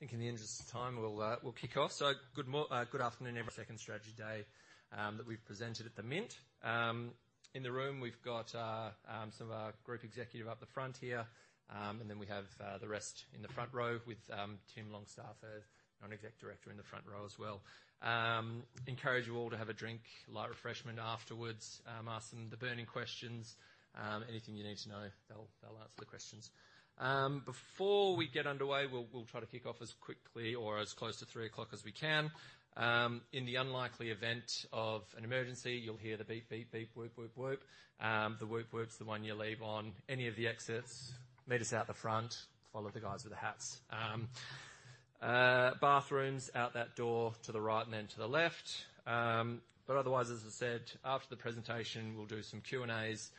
I think in the interest of time, we'll kick off. Good afternoon, everyone. Second strategy day that we've presented at the Mint. In the room, we've got some of our group executive up at the front here. We have the rest in the front row with Tim Longstaff, our Non-Executive Director, in the front row as well. Encourage you all to have a drink, light refreshment afterwards. Ask them the burning questions, anything you need to know, they'll answer the questions. Before we get underway, we'll try to kick off as quickly or as close to 3:00 P.M. as we can. In the unlikely event of an emergency, you'll hear the beep, beep, whoop, whoop. The whoop whoop is the one you leave on any of the exits, meet us out the front, follow the guys with the hats. Bathrooms out that door to the right and then to the left. Otherwise, as I said, after the presentation, we'll do some Q&As,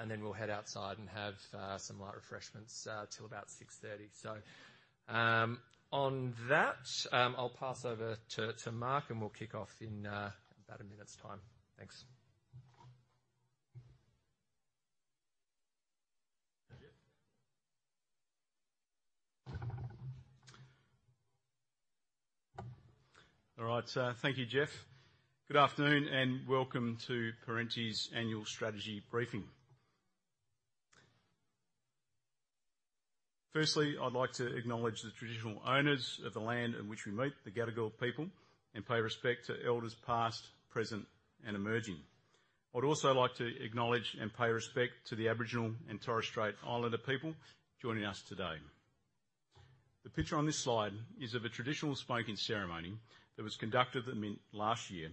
and then we'll head outside and have some light refreshments till about 6:30. On that, I'll pass over to Mark, and we'll kick off in about a minute's time. Thanks. All right, thank you, Jeff. Good afternoon, welcome to Perenti's annual strategy briefing. Firstly, I'd like to acknowledge the traditional owners of the land in which we meet, the Gadigal people, pay respect to elders past, present, and emerging. I'd also like to acknowledge and pay respect to the Aboriginal and Torres Strait Islander people joining us today. The picture on this slide is of a traditional smoking ceremony that was conducted at the Mint last year,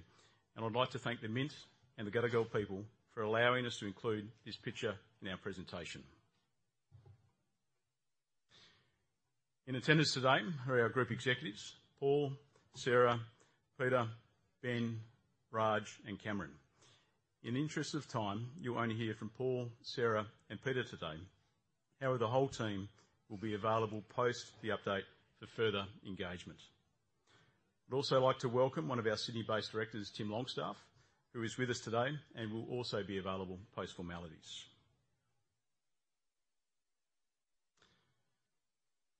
I'd like to thank the Mint and the Gadigal people for allowing us to include this picture in our presentation. In attendance today are our group executives, Paul, Sarah, Peter, Ben, Raj, and Cameron. In the interest of time, you'll only hear from Paul, Sarah, and Peter today. However, the whole team will be available post the update for further engagement. I'd also like to welcome one of our Sydney-based directors, Tim Longstaff, who is with us today and will also be available post-formalities.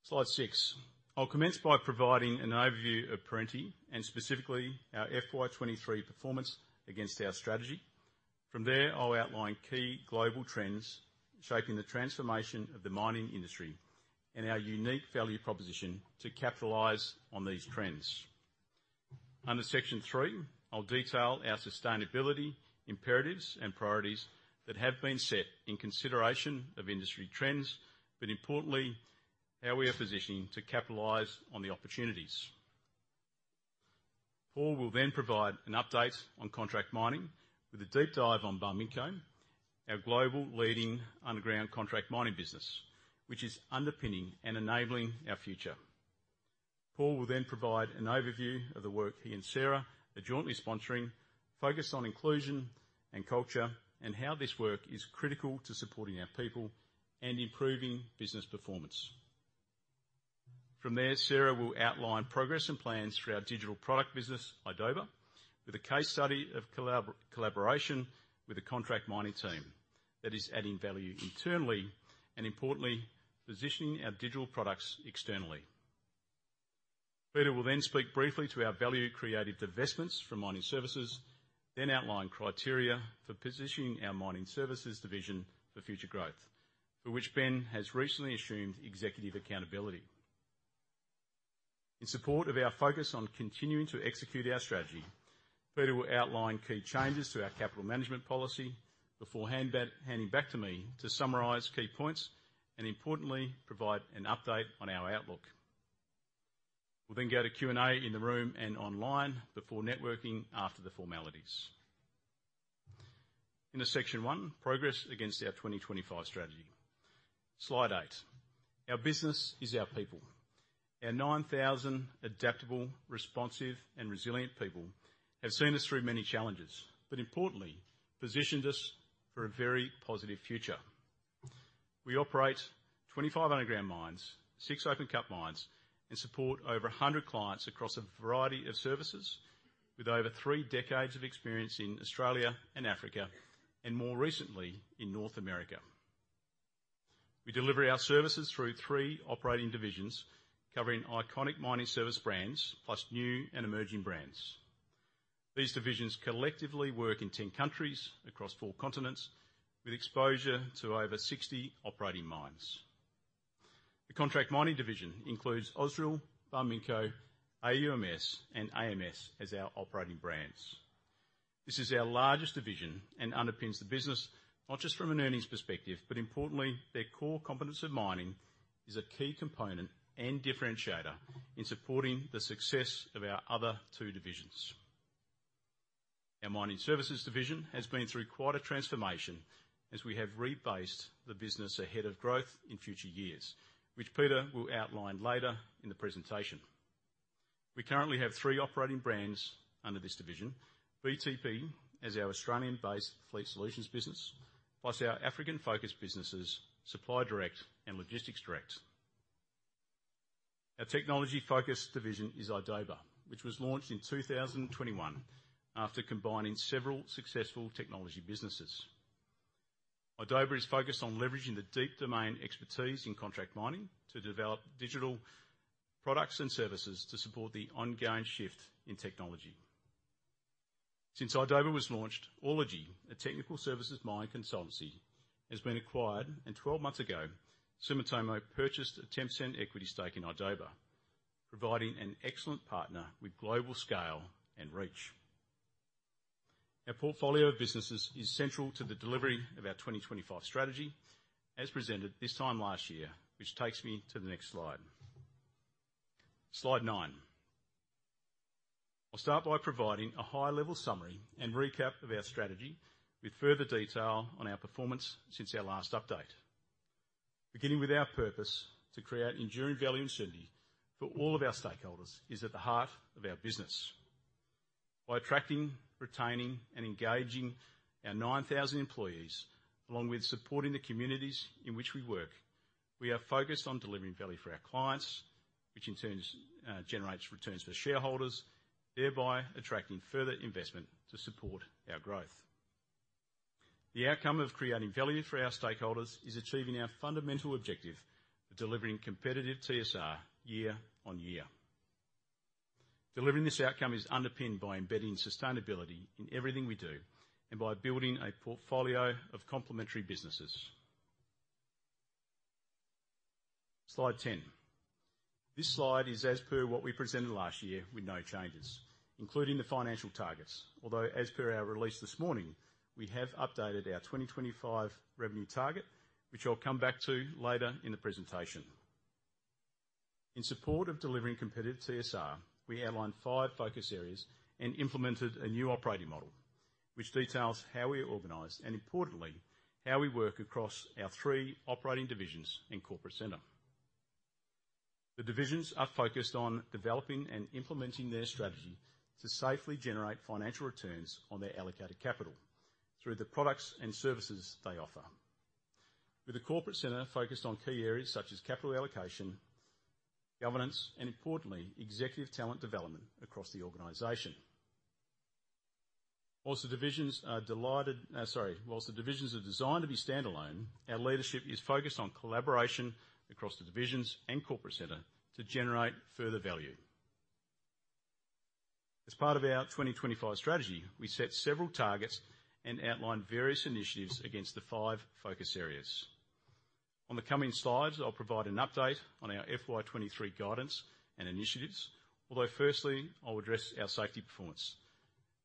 Slide 6: I'll commence by providing an overview of Perenti, and specifically our FY 2023 performance against our strategy. From there, I'll outline key global trends shaping the transformation of the mining industry and our unique value proposition to capitalize on these trends. Under section 3, I'll detail our sustainability imperatives and priorities that have been set in consideration of industry trends, but importantly, how we are positioning to capitalize on the opportunities. Paul will then provide an update on contract mining with a deep dive on Barminco, our global leading underground contract mining business, which is underpinning and enabling our future. Paul will provide an overview of the work he and Sarah are jointly sponsoring, focused on inclusion and culture, and how this work is critical to supporting our people and improving business performance. From there, Sarah will outline progress and plans for our digital product business, idoba, with a case study of collaboration with the contract mining team that is adding value internally, and importantly, positioning our digital products externally. Peter will speak briefly to our value-created divestments from mining services, outline criteria for positioning our mining services division for future growth, for which Ben has recently assumed executive accountability. In support of our focus on continuing to execute our strategy, Peter will outline key changes to our capital management policy before handing back to me to summarize key points and, importantly, provide an update on our outlook. We'll go to Q&A in the room and online before networking after the formalities. Section 1, progress against our 2025 strategy. Slide eight. Our business is our people. Our 9,000 adaptable, responsive, and resilient people have seen us through many challenges, but importantly, positioned us for a very positive future. We operate 25 underground mines, six open pit mines, and support over 100 clients across a variety of services, with over three decades of experience in Australia and Africa, and more recently, in North America. We deliver our services through three operating divisions, covering iconic mining service brands plus new and emerging brands. These divisions collectively work in 10 countries across 4 continents, with exposure to over 60 operating mines. The contract mining division includes Ausdrill, Barminco, AUMS, and AMS as our operating brands. This is our largest division and underpins the business, not just from an earnings perspective, but importantly, their core competence in mining is a key component and differentiator in supporting the success of our other two divisions. Our mining services division has been through quite a transformation as we have rebased the business ahead of growth in future years, which Peter will outline later in the presentation. We currently have three operating brands under this division. BTP is our Australian-based fleet solutions business, plus our African-focused businesses, Supply Direct and Logistics Direct. Our technology-focused division is idoba, which was launched in 2021 after combining several successful technology businesses. idoba is focused on leveraging the deep domain expertise in contract mining to develop digital products and services to support the ongoing shift in technology. Since Idoba was launched, Orelogy, a technical services mining consultancy, has been acquired, and 12 months ago, Sumitomo purchased a 10% equity stake in Idoba, providing an excellent partner with global scale and reach. Our portfolio of businesses is central to the delivery of our 2025 strategy, as presented this time last year, which takes me to the next slide. Slide 9. I'll start by providing a high-level summary and recap of our strategy, with further detail on our performance since our last update. Beginning with our purpose, to create enduring value and certainty for all of our stakeholders, is at the heart of our business. By attracting, retaining, and engaging our 9,000 employees, along with supporting the communities in which we work, we are focused on delivering value for our clients, which in turn generates returns for shareholders, thereby attracting further investment to support our growth. The outcome of creating value for our stakeholders is achieving our fundamental objective of delivering competitive TSR year-on-year. Delivering this outcome is underpinned by embedding sustainability in everything we do, and by building a portfolio of complementary businesses. Slide 10. This slide is as per what we presented last year with no changes, including the financial targets. Although, as per our release this morning, we have updated our 2025 revenue target, which I'll come back to later in the presentation. In support of delivering competitive TSR, we outlined five focus areas and implemented a new operating model, which details how we are organized and, importantly, how we work across our three operating divisions and corporate center. The divisions are focused on developing and implementing their strategy to safely generate financial returns on their allocated capital through the products and services they offer. With the corporate center focused on key areas such as capital allocation, governance, and importantly, executive talent development across the organization. sorry, whilst the divisions are designed to be standalone, our leadership is focused on collaboration across the divisions and corporate center to generate further value. As part of our 2025 strategy, we set several targets and outlined various initiatives against the five focus areas. On the coming slides, I'll provide an update on our FY 2023 guidance and initiatives, although firstly, I'll address our safety performance,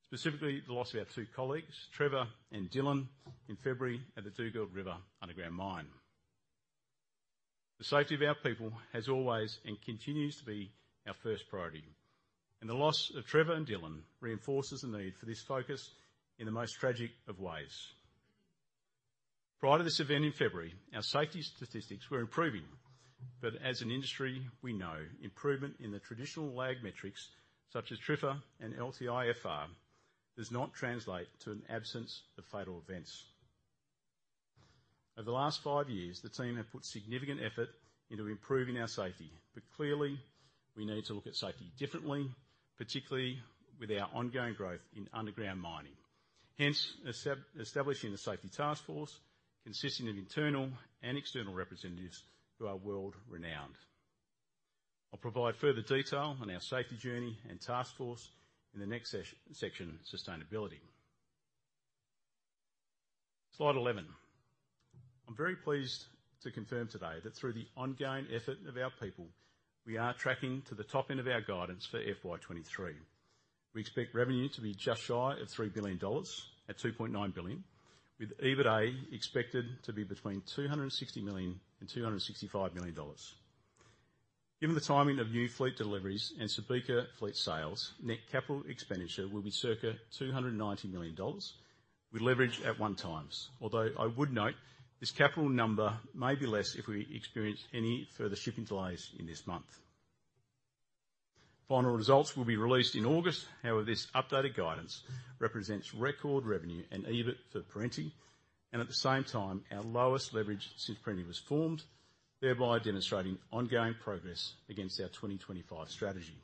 specifically the loss of our two colleagues, Trevor and Dylan, in February at the Dugald River underground mine. The safety of our people has always and continues to be our first priority, and the loss of Trevor and Dylan reinforces the need for this focus in the most tragic of ways. Prior to this event in February, our safety statistics were improving, but as an industry, we know improvement in the traditional lag metrics, such as TRIFR and LTIFR, does not translate to an absence of fatal events. Over the last five years, the team have put significant effort into improving our safety, but clearly, we need to look at safety differently, particularly with our ongoing growth in underground mining. Establishing the Safety Taskforce, consisting of internal and external representatives who are world-renowned. I'll provide further detail on our Safety Journey and Taskforce in the next section, Sustainability. Slide 11. I'm very pleased to confirm today that through the ongoing effort of our people, we are tracking to the top end of our guidance for FY 2023. We expect revenue to be just shy of 3 billion dollars, at 2.9 billion, with EBITA expected to be between 260 million and 265 million dollars. Given the timing of new fleet deliveries and Subika fleet sales, net CapEx will be circa 290 million dollars, with leverage at 1x. I would note, this capital number may be less if we experience any further shipping delays in this month. Final results will be released in August, however, this updated guidance represents record revenue and EBIT for Perenti, and at the same time, our lowest leverage since Perenti was formed, thereby demonstrating ongoing progress against our 2025 strategy.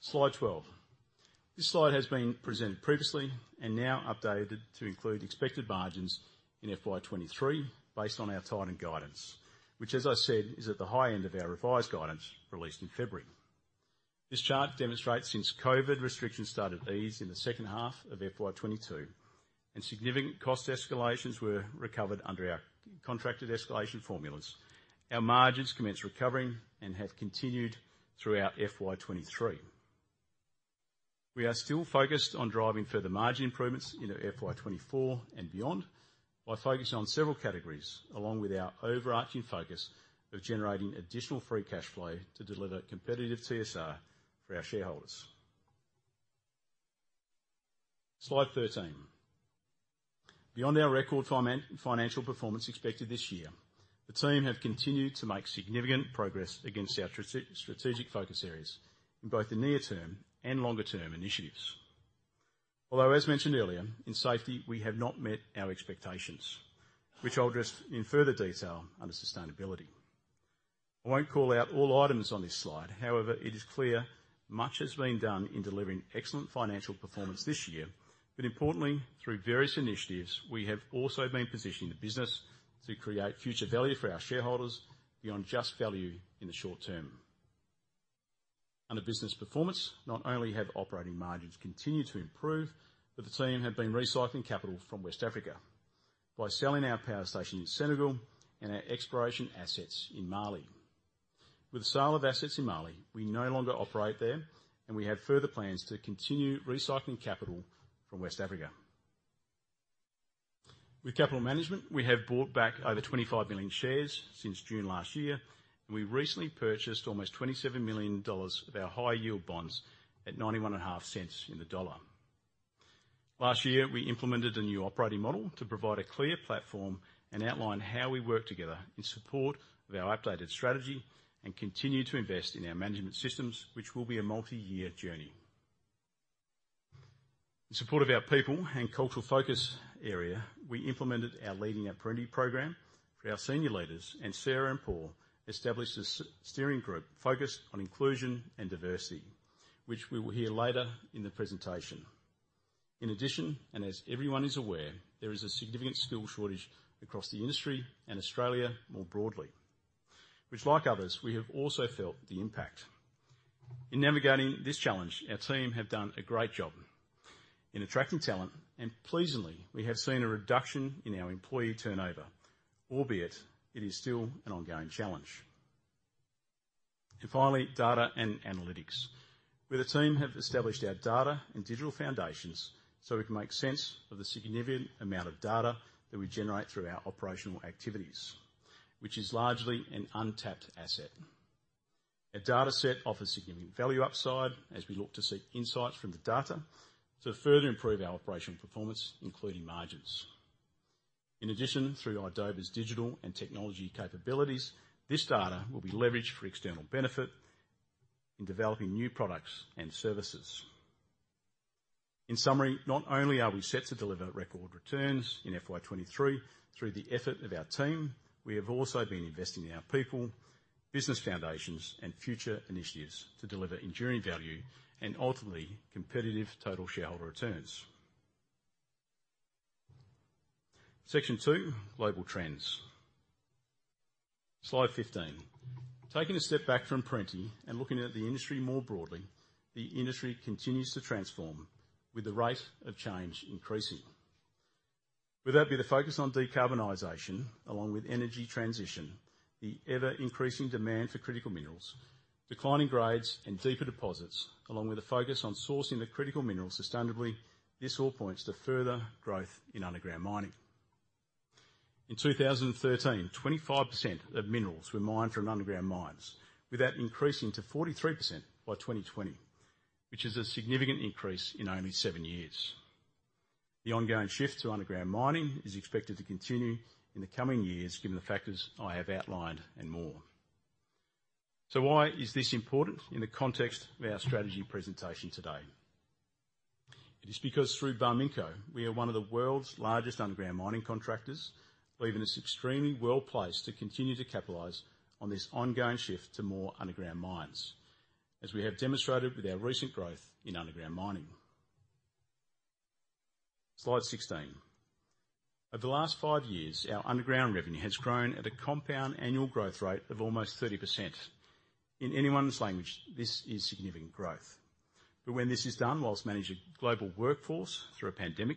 Slide 12. This slide has been presented previously and now updated to include expected margins in FY 2023, based on our timing guidance, which, as I said, is at the high end of our revised guidance released in February. This chart demonstrates since COVID restrictions started to ease in the second half of FY 2022, and significant cost escalations were recovered under our contracted escalation formulas, our margins commenced recovering and have continued throughout FY 2023. We are still focused on driving further margin improvements into FY 2024 and beyond by focusing on several categories, along with our overarching focus of generating additional free cash flow to deliver competitive TSR for our shareholders. Slide 13. Beyond our record time and financial performance expected this year, the team have continued to make significant progress against our strategic focus areas in both the near-term and longer-term initiatives. As mentioned earlier, in safety, we have not met our expectations, which I'll address in further detail under sustainability. I won't call out all items on this slide, however, it is clear much has been done in delivering excellent financial performance this year. Importantly, through various initiatives, we have also been positioning the business to create future value for our shareholders beyond just value in the short term. Under business performance, not only have operating margins continued to improve, but the team have been recycling capital from West Africa by selling our power station in Senegal and our exploration assets in Mali. With the sale of assets in Mali, we no longer operate there, and we have further plans to continue recycling capital from West Africa. With capital management, we have bought back over 25 million shares since June last year, and we recently purchased almost $27 million of our high-yield bonds at $0.915 in the dollar. Last year, we implemented a new operating model to provide a clear platform and outline how we work together in support of our updated strategy and continue to invest in our management systems, which will be a multi-year journey. In support of our people and cultural focus area, we implemented our Leading at Perenti program for our senior leaders, and Sarah and Paul established a Steering Group focused on inclusion and diversity, which we will hear later in the presentation. In addition, and as everyone is aware, there is a significant skill shortage across the industry and Australia more broadly, which, like others, we have also felt the impact. In navigating this challenge, our team have done a great job in attracting talent, and pleasingly, we have seen a reduction in our employee turnover, albeit it is still an ongoing challenge. Finally, data and analytics, where the team have established our data and digital foundations so we can make sense of the significant amount of data that we generate through our operational activities, which is largely an untapped asset. Our data set offers significant value upside as we look to seek insights from the data to further improve our operational performance, including margins. Through idoba's digital and technology capabilities, this data will be leveraged for external benefit in developing new products and services. Not only are we set to deliver record returns in FY 2023 through the effort of our team, we have also been investing in our people, business foundations, and future initiatives to deliver enduring value and ultimately, competitive total shareholder returns. Section two, global trends. Slide 15. Taking a step back from Perenti and looking at the industry more broadly, the industry continues to transform, with the rate of change increasing. With that being the focus on decarbonisation along with energy transition, the ever-increasing demand for critical minerals, declining grades, and deeper deposits, along with a focus on sourcing the critical minerals sustainably, this all points to further growth in underground mining. In 2013, 25% of minerals were mined from underground mines, with that increasing to 43% by 2020, which is a significant increase in only seven years. The ongoing shift to underground mining is expected to continue in the coming years, given the factors I have outlined and more. Why is this important in the context of our strategy presentation today? It is because through Barminco, we are one of the world's largest underground mining contractors, leaving us extremely well-placed to continue to capitalize on this ongoing shift to more underground mines, as we have demonstrated with our recent growth in underground mining. Slide 16. Over the last five years, our underground revenue has grown at a compound annual growth rate of almost 30%. In anyone's language, this is significant growth. When this is done whilst managing a global workforce through a pandemic,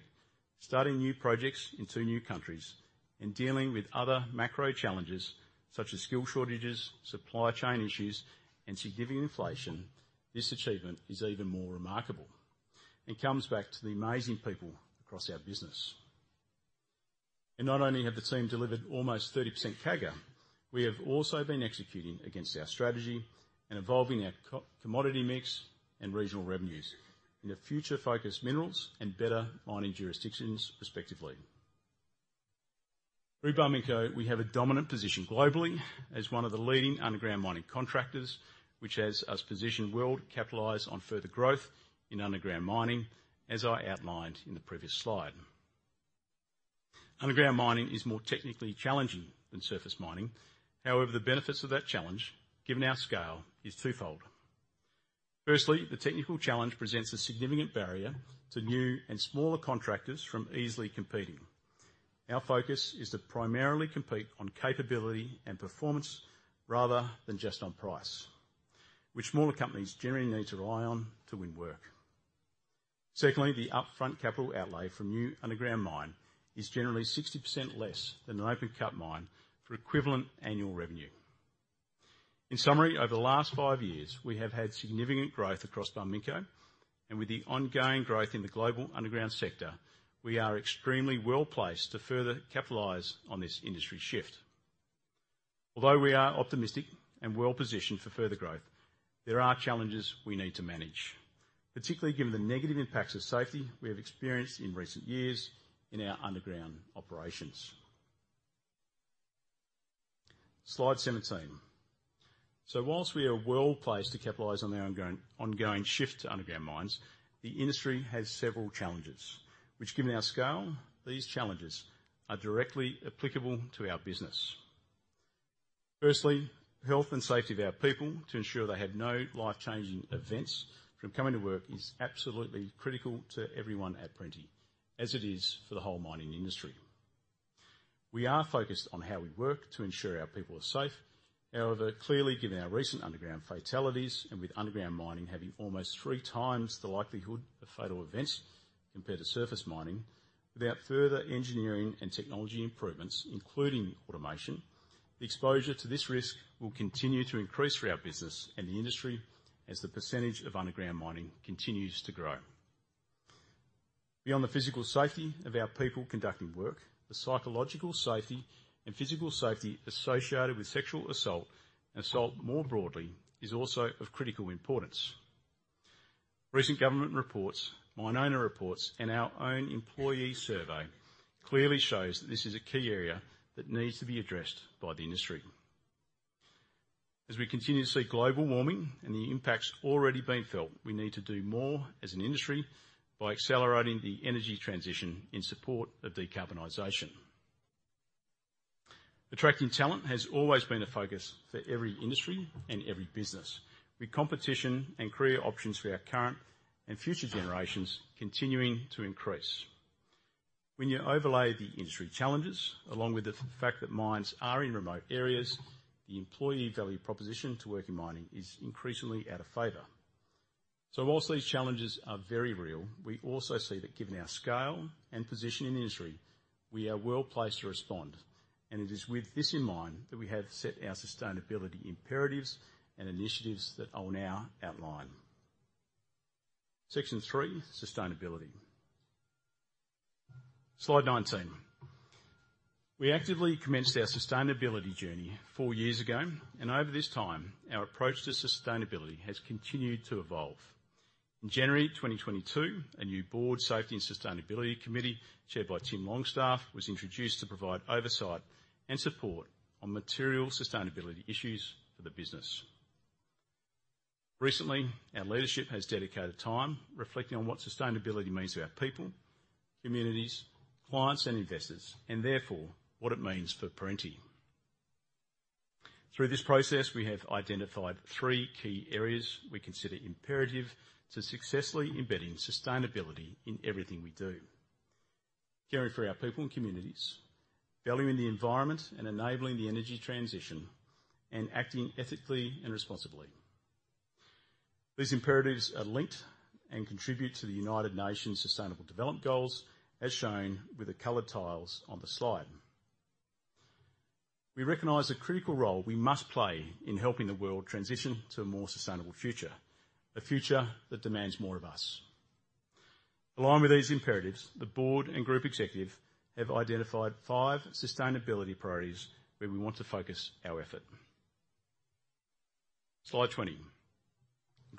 starting new projects in two new countries, and dealing with other macro challenges such as skill shortages, supply chain issues, and significant inflation, this achievement is even more remarkable and comes back to the amazing people across our business. Not only have the team delivered almost 30% CAGR, we have also been executing against our strategy and evolving our co-commodity mix and regional revenues in the future-focused minerals and better mining jurisdictions, respectively. Through Barminco, we have a dominant position globally as one of the leading underground mining contractors, which has us positioned well to capitalize on further growth in underground mining, as I outlined in the previous slide. Underground mining is more technically challenging than surface mining. The benefits of that challenge, given our scale, is twofold. Firstly, the technical challenge presents a significant barrier to new and smaller contractors from easily competing. Our focus is to primarily compete on capability and performance rather than just on price, which smaller companies generally need to rely on to win work. Secondly, the upfront capital outlay from new underground mine is generally 60% less than an open-cut mine for equivalent annual revenue. In summary, over the last five years, we have had significant growth across Barminco, and with the ongoing growth in the global underground sector, we are extremely well-placed to further capitalize on this industry shift. Although we are optimistic and well-positioned for further growth, there are challenges we need to manage, particularly given the negative impacts of safety we have experienced in recent years in our underground operations. Slide 17. Whilst we are well-placed to capitalize on the ongoing shift to underground mines, the industry has several challenges, which, given our scale, these challenges are directly applicable to our business. Firstly, health and safety of our people to ensure they have no life-changing events from coming to work is absolutely critical to everyone at Perenti, as it is for the whole mining industry. We are focused on how we work to ensure our people are safe. Clearly, given our recent underground fatalities, and with underground mining having almost 3x the likelihood of fatal events compared to surface mining, without further engineering and technology improvements, including automation, the exposure to this risk will continue to increase for our business and the industry as the percentage of underground mining continues to grow. Beyond the physical safety of our people conducting work, the psychological safety and physical safety associated with sexual assault, and assault more broadly, is also of critical importance. Recent government reports, mine owner reports, and our own employee survey clearly shows that this is a key area that needs to be addressed by the industry. We continue to see global warming and the impacts already being felt, we need to do more as an industry by accelerating the energy transition in support of decarbonisation. Attracting talent has always been a focus for every industry and every business, with competition and career options for our current and future generations continuing to increase. When you overlay the industry challenges, along with the fact that mines are in remote areas, the employee value proposition to work in mining is increasingly out of favor. Whilst these challenges are very real, we also see that given our scale and position in the industry, we are well placed to respond, and it is with this in mind that we have set our sustainability imperatives and initiatives that I'll now outline. Section 3: Sustainability. Slide 19. We actively commenced our sustainability journey four years ago. Over this time, our approach to sustainability has continued to evolve. In January 2022, a new Board Safety and Sustainability Committee, chaired by Tim Longstaff, was introduced to provide oversight and support on material sustainability issues for the business. Recently, our leadership has dedicated time reflecting on what sustainability means to our people, communities, clients, and investors, and therefore, what it means for Perenti. Through this process, we have identified three key areas we consider imperative to successfully embedding sustainability in everything we do: caring for our people and communities, valuing the environment and enabling the energy transition, and acting ethically and responsibly. These imperatives are linked and contribute to the United Nations Sustainable Development Goals, as shown with the colored tiles on the slide. We recognize the critical role we must play in helping the world transition to a more sustainable future, a future that demands more of us. Along with these imperatives, the board and group executive have identified five sustainability priorities where we want to focus our effort. Slide 20.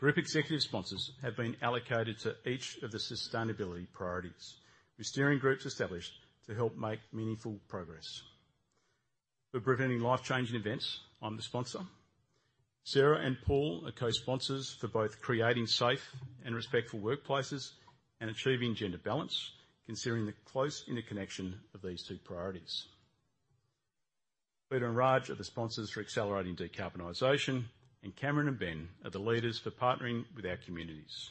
Group executive sponsors have been allocated to each of the sustainability priorities, with steering groups established to help make meaningful progress. For preventing life-changing events, I'm the sponsor. Sarah and Paul are co-sponsors for both creating safe and respectful workplaces and achieving gender balance, considering the close interconnection of these two priorities. Peter and Raj are the sponsors for accelerating decarbonisation, Cameron and Ben are the leaders for partnering with our communities.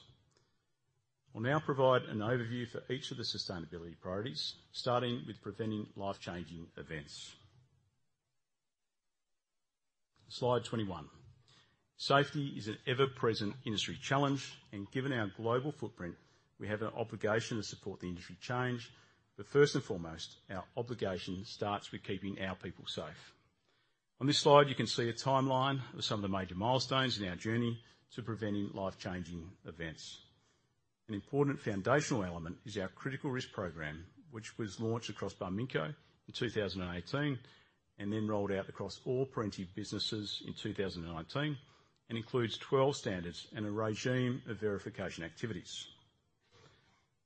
I'll now provide an overview for each of the sustainability priorities, starting with preventing life-changing events. Slide 21. Safety is an ever-present industry challenge, given our global footprint, we have an obligation to support the industry change. first and foremost, our obligation starts with keeping our people safe. On this slide, you can see a timeline of some of the major milestones in our journey to preventing life-changing events. An important foundational element is our critical risk program, which was launched across Barminco in 2018 and then rolled out across all Perenti businesses in 2019, and includes 12 standards and a regime of verification activities.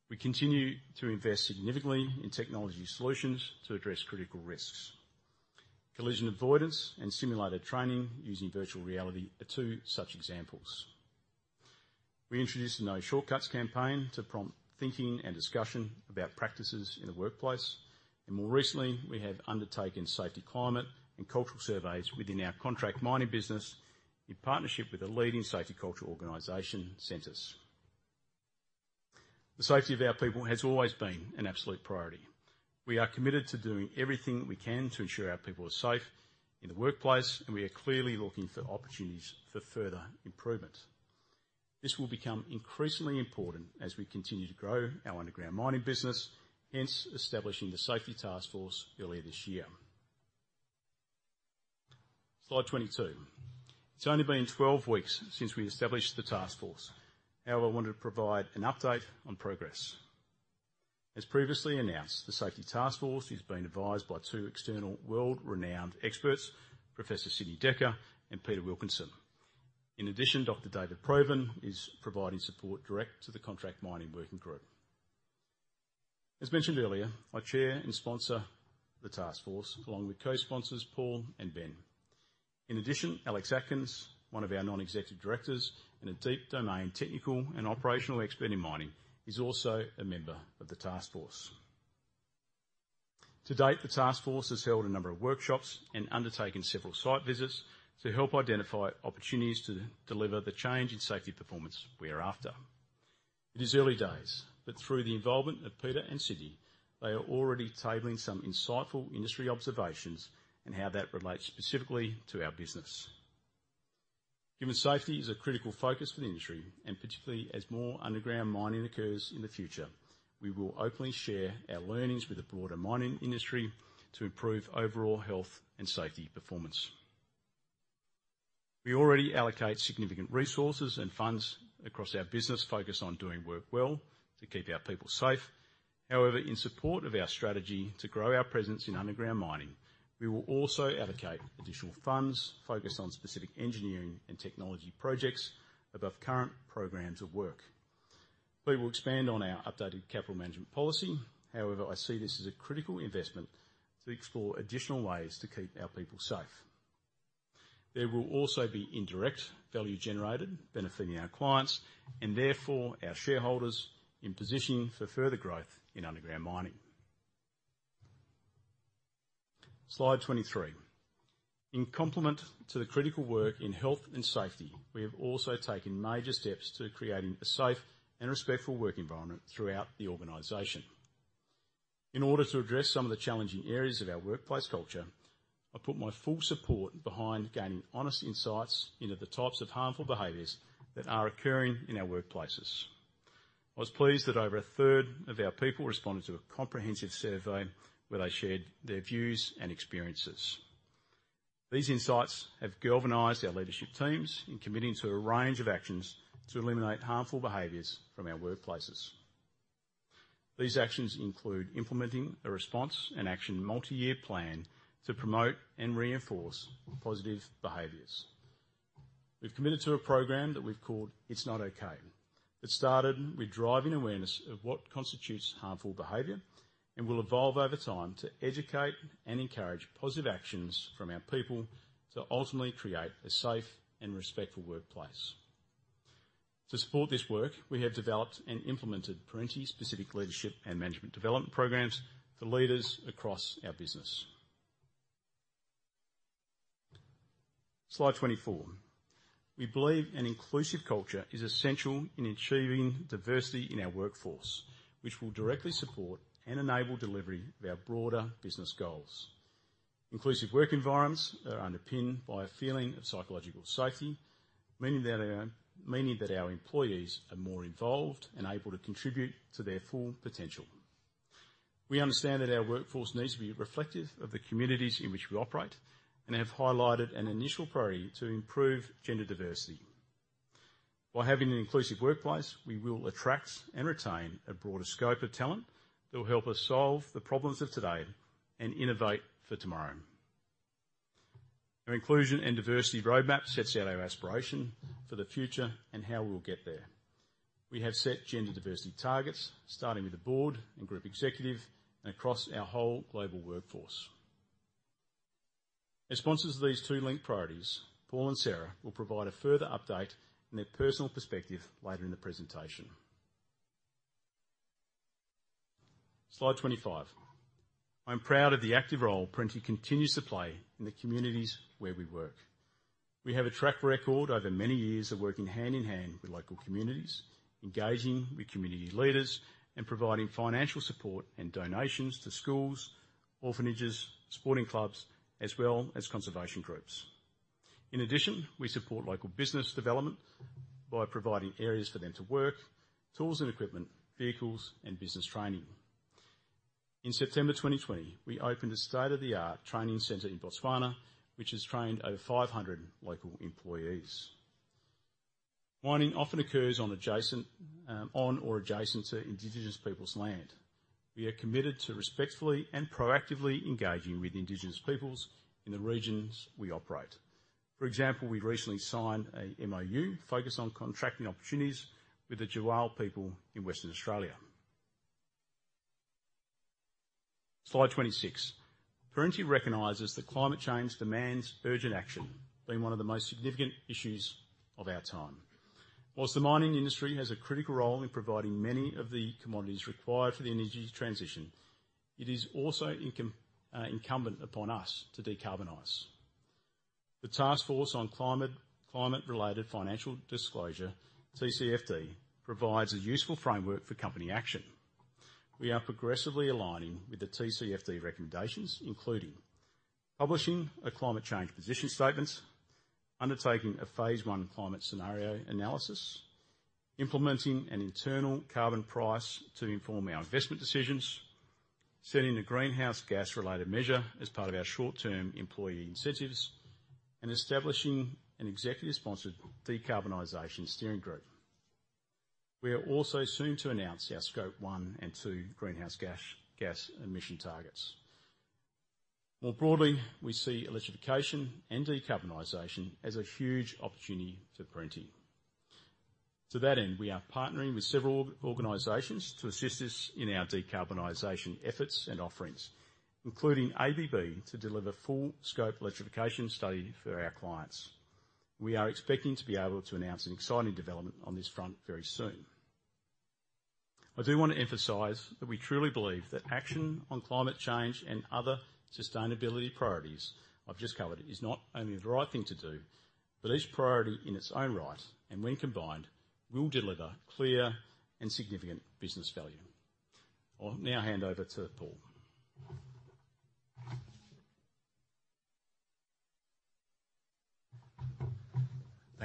We continue to invest significantly in technology solutions to address critical risks. Collision avoidance and simulator training using virtual reality are two such examples. We introduced a No Shortcuts campaign to prompt thinking and discussion about practices in the workplace, and more recently, we have undertaken safety climate and cultural surveys within our contract mining business in partnership with a leading safety culture organization, Sentis. The safety of our people has always been an absolute priority. We are committed to doing everything we can to ensure our people are safe in the workplace, and we are clearly looking for opportunities for further improvement. This will become increasingly important as we continue to grow our underground mining business, hence establishing the Safety Taskforce earlier this year. Slide 22. It's only been 12 weeks since we established the Taskforce. However, I wanted to provide an update on progress. As previously announced, the Safety Taskforce is being advised by two external world-renowned experts, Professor Sidney Dekker and Peter Wilkinson. In addition, Dr. David Provan is providing support direct to the Contract Mining Working Group. As mentioned earlier, I chair and sponsor the Taskforce, along with co-sponsors Paul and Ben. Alex Atkins, one of our non-executive directors, and a deep domain technical and operational expert in mining, is also a member of the Taskforce. To date, the Taskforce has held a number of workshops and undertaken several site visits to help identify opportunities to deliver the change in safety performance we are after. It is early days, through the involvement of Peter and Sidney, they are already tabling some insightful industry observations and how that relates specifically to our business. Human safety is a critical focus for the industry, particularly as more underground mining occurs in the future, we will openly share our learnings with the broader mining industry to improve overall health and safety performance. We already allocate significant resources and funds across our business, focused on doing work well to keep our people safe. In support of our strategy to grow our presence in underground mining, we will also allocate additional funds focused on specific engineering and technology projects above current programs of work. We will expand on our updated capital management policy. I see this as a critical investment to explore additional ways to keep our people safe. There will also be indirect value generated, benefiting our clients, and therefore our shareholders, in positioning for further growth in underground mining. Slide 23. In complement to the critical work in health and safety, we have also taken major steps to creating a safe and respectful work environment throughout the organization. In order to address some of the challenging areas of our workplace culture, I put my full support behind gaining honest insights into the types of harmful behaviors that are occurring in our workplaces. I was pleased that over a third of our people responded to a comprehensive survey where they shared their views and experiences. These insights have galvanized our leadership teams in committing to a range of actions to eliminate harmful behaviors from our workplaces. These actions include implementing a response and action multi-year plan to promote and reinforce positive behaviors. We've committed to a program that we've called It's Not Okay. It started with driving awareness of what constitutes harmful behavior and will evolve over time to educate and encourage positive actions from our people to ultimately create a safe and respectful workplace. To support this work, we have developed and implemented Perenti-specific leadership and management development programs for leaders across our business. Slide 24. We believe an inclusive culture is essential in achieving diversity in our workforce, which will directly support and enable delivery of our broader business goals. Inclusive work environments are underpinned by a feeling of psychological safety, meaning that our employees are more involved and able to contribute to their full potential. We understand that our workforce needs to be reflective of the communities in which we operate and have highlighted an initial priority to improve gender diversity. By having an inclusive workplace, we will attract and retain a broader scope of talent that will help us solve the problems of today and innovate for tomorrow. Our inclusion and diversity roadmap sets out our aspiration for the future and how we'll get there. We have set gender diversity targets, starting with the board and group executive and across our whole global workforce. As sponsors of these two linked priorities, Paul and Sarah will provide a further update in their personal perspective later in the presentation. Slide 25. I'm proud of the active role Perenti continues to play in the communities where we work. We have a track record over many years of working hand in hand with local communities, engaging with community leaders, and providing financial support and donations to schools, orphanages, sporting clubs, as well as conservation groups. In addition, we support local business development by providing areas for them to work, tools and equipment, vehicles, and business training. In September 2020, we opened a state-of-the-art training center in Botswana, which has trained over 500 local employees. Mining often occurs on adjacent, on or adjacent to Indigenous peoples' land. We are committed to respectfully and proactively engaging with Indigenous peoples in the regions we operate. For example, we recently signed a MoU focused on contracting opportunities with the Wajarri people in Western Australia. Slide 26. Perenti recognizes that climate change demands urgent action, being one of the most significant issues of our time. Whilst the mining industry has a critical role in providing many of the commodities required for the energy transition, it is also incumbent upon us to decarbonize. The Taskforce on Climate-Related Financial Disclosures, TCFD, provides a useful framework for company action. We are progressively aligning with the TCFD recommendations, including publishing a climate change position statement, undertaking a phase one climate scenario analysis, implementing an internal carbon price to inform our investment decisions, setting a greenhouse gas-related measure as part of our short-term employee incentives, and establishing an executive-sponsored Decarbonisation Steering Group. We are also soon to announce our scope one and two greenhouse gas emission targets. More broadly, we see electrification and decarbonisation as a huge opportunity for Perenti. To that end, we are partnering with several organizations to assist us in our decarbonisation efforts and offerings, including ABB, to deliver full scope electrification study for our clients. We are expecting to be able to announce an exciting development on this front very soon. I do want to emphasize that we truly believe that action on climate change and other sustainability priorities I've just covered, is not only the right thing to do, but each priority in its own right, and when combined, will deliver clear and significant business value. I'll now hand over to Paul.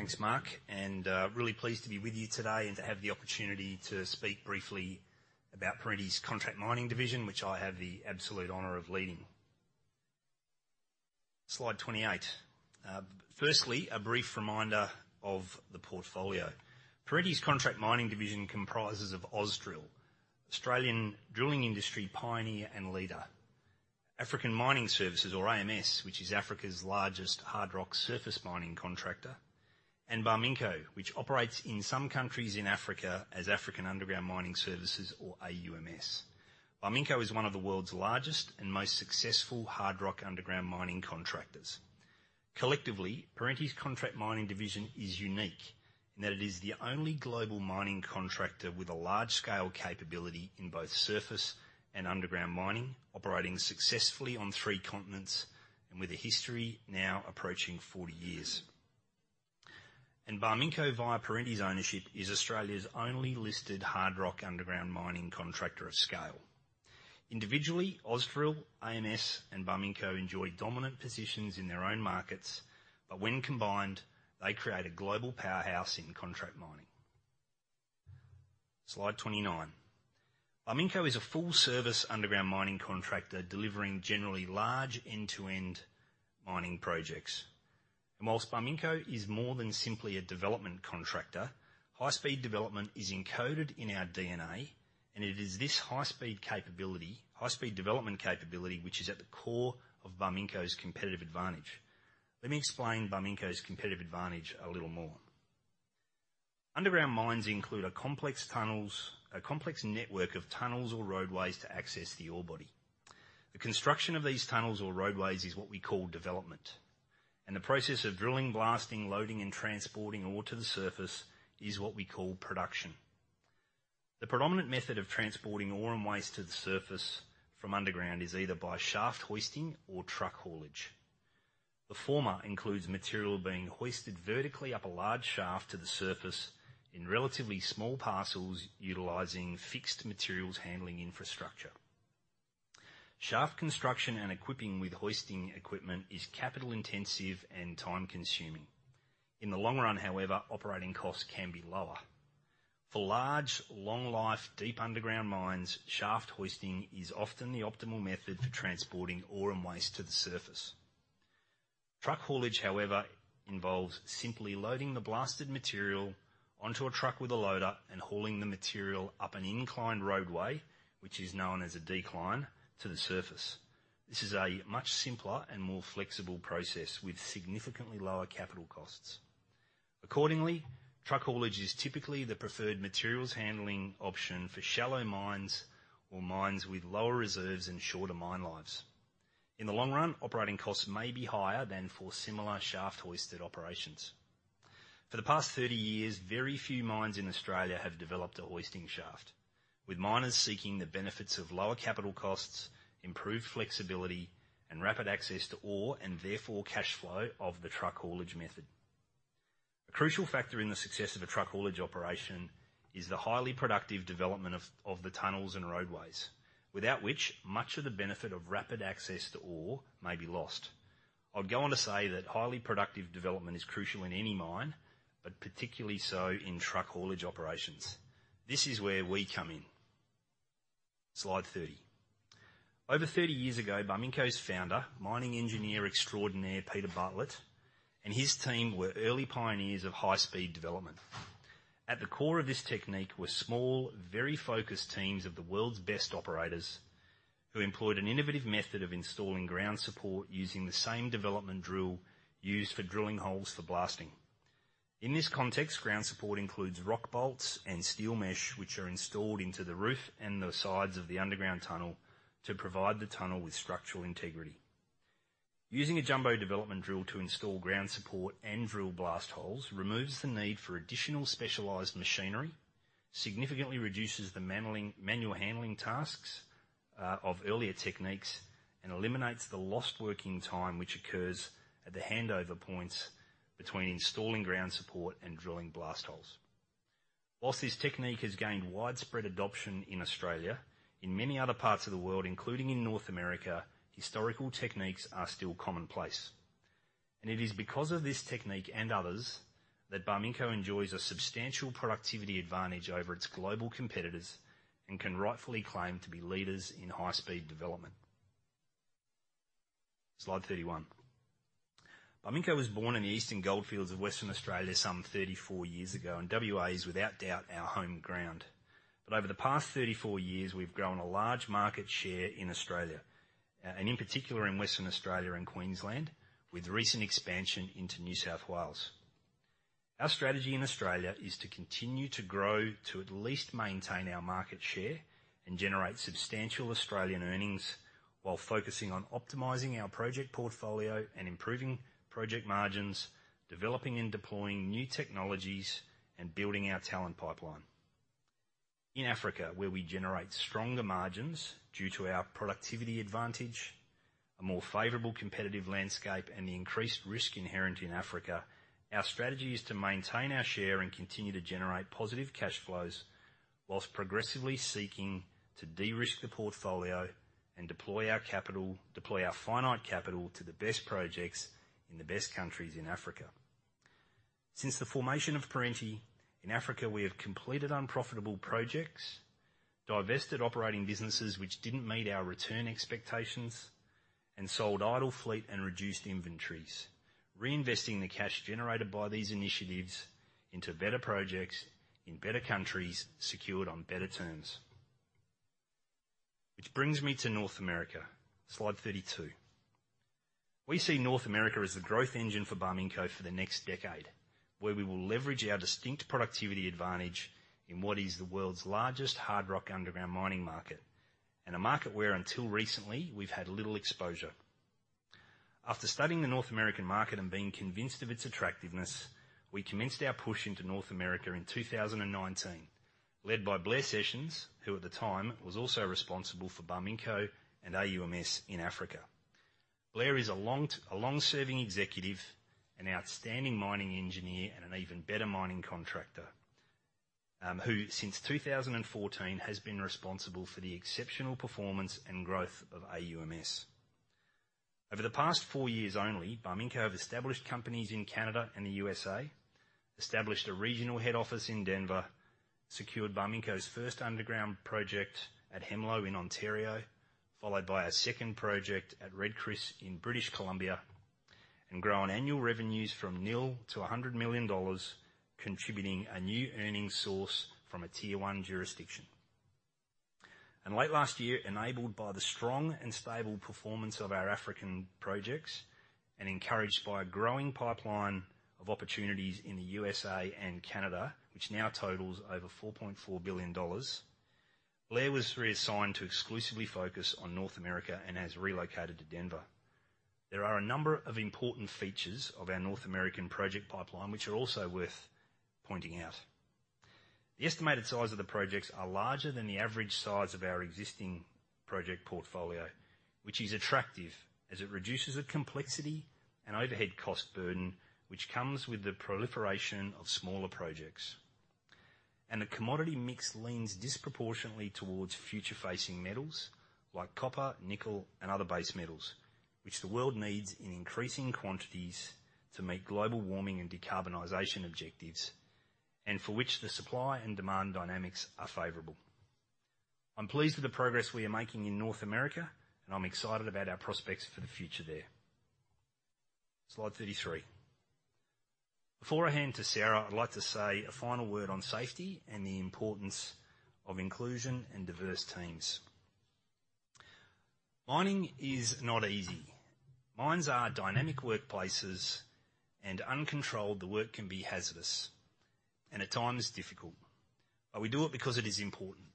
Thanks, Mark, really pleased to be with you today and to have the opportunity to speak briefly about Perenti's Contract Mining Division, which I have the absolute honor of leading. Slide 28. Firstly, a brief reminder of the portfolio. Perenti's Contract Mining Division comprises of Ausdrill, Australian drilling industry pioneer and leader, African Mining Services or AMS, which is Africa's largest hard rock surface mining contractor, and Barminco, which operates in some countries in Africa as African Underground Mining Services, or AUMS. Barminco is one of the world's largest and most successful hard rock underground mining contractors. Collectively, Perenti's Contract Mining Division is unique in that it is the only global mining contractor with a large-scale capability in both surface and underground mining, operating successfully on three continents and with a history now approaching 40 years. Barminco, via Perenti's ownership, is Australia's only listed hard rock underground mining contractor of scale. Individually, Ausdrill, AMS, and Barminco enjoy dominant positions in their own markets, when combined, they create a global powerhouse in contract mining. Slide 29. Barminco is a full-service underground mining contractor, delivering generally large end-to-end mining projects. Whilst Barminco is more than simply a development contractor, high-speed development is encoded in our DNA, it is this high-speed development capability, which is at the core of Barminco's competitive advantage. Let me explain Barminco's competitive advantage a little more. Underground mines include a complex network of tunnels or roadways to access the ore body. The construction of these tunnels or roadways is what we call development, the process of drilling, blasting, loading, and transporting ore to the surface is what we call production. The predominant method of transporting ore and waste to the surface from underground is either by shaft hoisting or truck haulage. The former includes material being hoisted vertically up a large shaft to the surface in relatively small parcels, utilizing fixed materials handling infrastructure. Shaft construction and equipping with hoisting equipment is capital-intensive and time-consuming. In the long run, however, operating costs can be lower. For large, long-life, deep underground mines, shaft hoisting is often the optimal method for transporting ore and waste to the surface. Truck haulage, however, involves simply loading the blasted material onto a truck with a loader and hauling the material up an inclined roadway, which is known as a decline, to the surface. This is a much simpler and more flexible process with significantly lower capital costs. Accordingly, truck haulage is typically the preferred materials handling option for shallow mines or mines with lower reserves and shorter mine lives. In the long run, operating costs may be higher than for similar shaft-hoisted operations. For the past 30 years, very few mines in Australia have developed a hoisting shaft, with miners seeking the benefits of lower capital costs, improved flexibility, and rapid access to ore, and therefore, cash flow of the truck haulage method. A crucial factor in the success of a truck haulage operation is the highly productive development of the tunnels and roadways, without which much of the benefit of rapid access to ore may be lost. I'd go on to say that highly productive development is crucial in any mine, but particularly so in truck haulage operations. This is where we come in. Slide 30. Over 30 years ago, Barminco's founder, mining engineer extraordinaire, Peter Bartlett, and his team were early pioneers of high-speed development. At the core of this technique were small, very focused teams of the world's best operators, who employed an innovative method of installing ground support using the same development drill used for drilling holes for blasting. In this context, ground support includes rock bolts and steel mesh, which are installed into the roof and the sides of the underground tunnel to provide the tunnel with structural integrity. Using a jumbo development drill to install ground support and drill blast holes removes the need for additional specialized machinery, significantly reduces the manual handling tasks, of earlier techniques, and eliminates the lost working time, which occurs at the handover points between installing ground support and drilling blast holes. Whilst this technique has gained widespread adoption in Australia, in many other parts of the world, including in North America, historical techniques are still commonplace. It is because of this technique and others, that Barminco enjoys a substantial productivity advantage over its global competitors and can rightfully claim to be leaders in high-speed development. Slide 31. Barminco was born in the Eastern Goldfields of Western Australia some 34 years ago, and WA is without doubt our home ground. Over the past 34 years, we've grown a large market share in Australia, and in particular in Western Australia and Queensland, with recent expansion into New South Wales. Our strategy in Australia is to continue to grow, to at least maintain our market share, and generate substantial Australian earnings while focusing on optimizing our project portfolio and improving project margins, developing and deploying new technologies, and building our talent pipeline. In Africa, where we generate stronger margins due to our productivity advantage, a more favorable competitive landscape, and the increased risk inherent in Africa, our strategy is to maintain our share and continue to generate positive cash flows, while progressively seeking to de-risk the portfolio and deploy our finite capital to the best projects in the best countries in Africa. Since the formation of Perenti, in Africa, we have completed unprofitable projects, divested operating businesses which didn't meet our return expectations, and sold idle fleet and reduced inventories, reinvesting the cash generated by these initiatives into better projects, in better countries, secured on better terms. Brings me to North America. Slide 32. We see North America as the growth engine for Barminco for the next decade, where we will leverage our distinct productivity advantage in what is the world's largest hard rock underground mining market, and a market where, until recently, we've had little exposure. After studying the North American market and being convinced of its attractiveness, we commenced our push into North America in 2019, led by Blair Sessions, who at the time was also responsible for Barminco and AUMS in Africa. Blair is a long-serving executive, an outstanding mining engineer, and an even better mining contractor, who, since 2014, has been responsible for the exceptional performance and growth of AUMS. Over the past 4 years only, Barminco have established companies in Canada and the USA, established a regional head office in Denver, secured Barminco's first underground project at Hemlo in Ontario, followed by our second project at Red Chris in British Columbia, and grown annual revenues from nil to $100 million, contributing a new earnings source from a tier one jurisdiction. Late last year, enabled by the strong and stable performance of our African projects, and encouraged by a growing pipeline of opportunities in the USA and Canada, which now totals over $4.4 billion, Blair was reassigned to exclusively focus on North America and has relocated to Denver. There are a number of important features of our North American project pipeline, which are also worth pointing out. The estimated size of the projects are larger than the average size of our existing project portfolio, which is attractive as it reduces the complexity and overhead cost burden, which comes with the proliferation of smaller projects. The commodity mix leans disproportionately towards future-facing metals like copper, nickel, and other base metals, which the world needs in increasing quantities to meet global warming and decarbonisation objectives, and for which the supply and demand dynamics are favorable. I'm pleased with the progress we are making in North America, and I'm excited about our prospects for the future there. Slide 33. Before I hand to Sarah, I'd like to say a final word on safety and the importance of inclusion and diverse teams. Mining is not easy. Mines are dynamic workplaces, and uncontrolled, the work can be hazardous and at times difficult. We do it because it is important.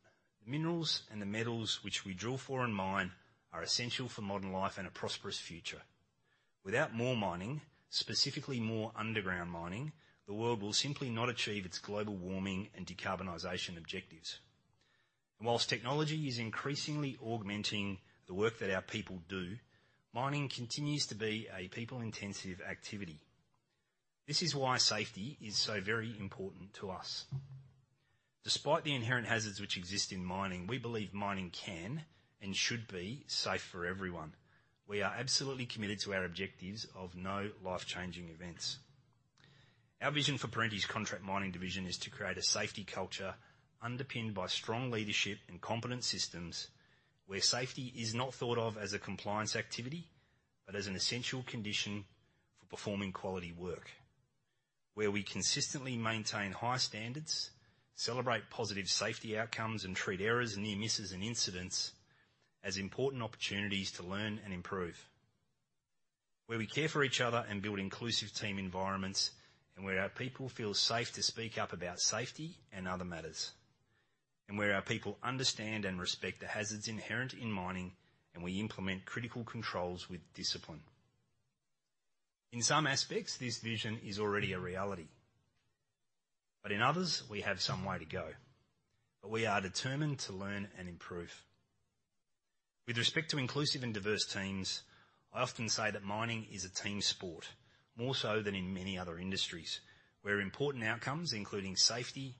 Minerals and the metals which we drill for and mine are essential for modern life and a prosperous future. Without more mining, specifically more underground mining, the world will simply not achieve its global warming and decarbonisation objectives. While technology is increasingly augmenting the work that our people do, mining continues to be a people-intensive activity. This is why safety is so very important to us. Despite the inherent hazards which exist in mining, we believe mining can and should be safe for everyone. We are absolutely committed to our objectives of no life-changing events. Our vision for Perenti's contract mining division is to create a safety culture underpinned by strong leadership and competent systems, where safety is not thought of as a compliance activity, but as an essential condition for performing quality work. Where we consistently maintain high standards, celebrate positive safety outcomes, and treat errors and near misses and incidents as important opportunities to learn and improve. Where we care for each other and build inclusive team environments, and where our people feel safe to speak up about safety and other matters, and where our people understand and respect the hazards inherent in mining, and we implement critical controls with discipline. In some aspects, this vision is already a reality, but in others, we have some way to go, but we are determined to learn and improve. With respect to inclusive and diverse teams, I often say that mining is a team sport, more so than in many other industries, where important outcomes, including safety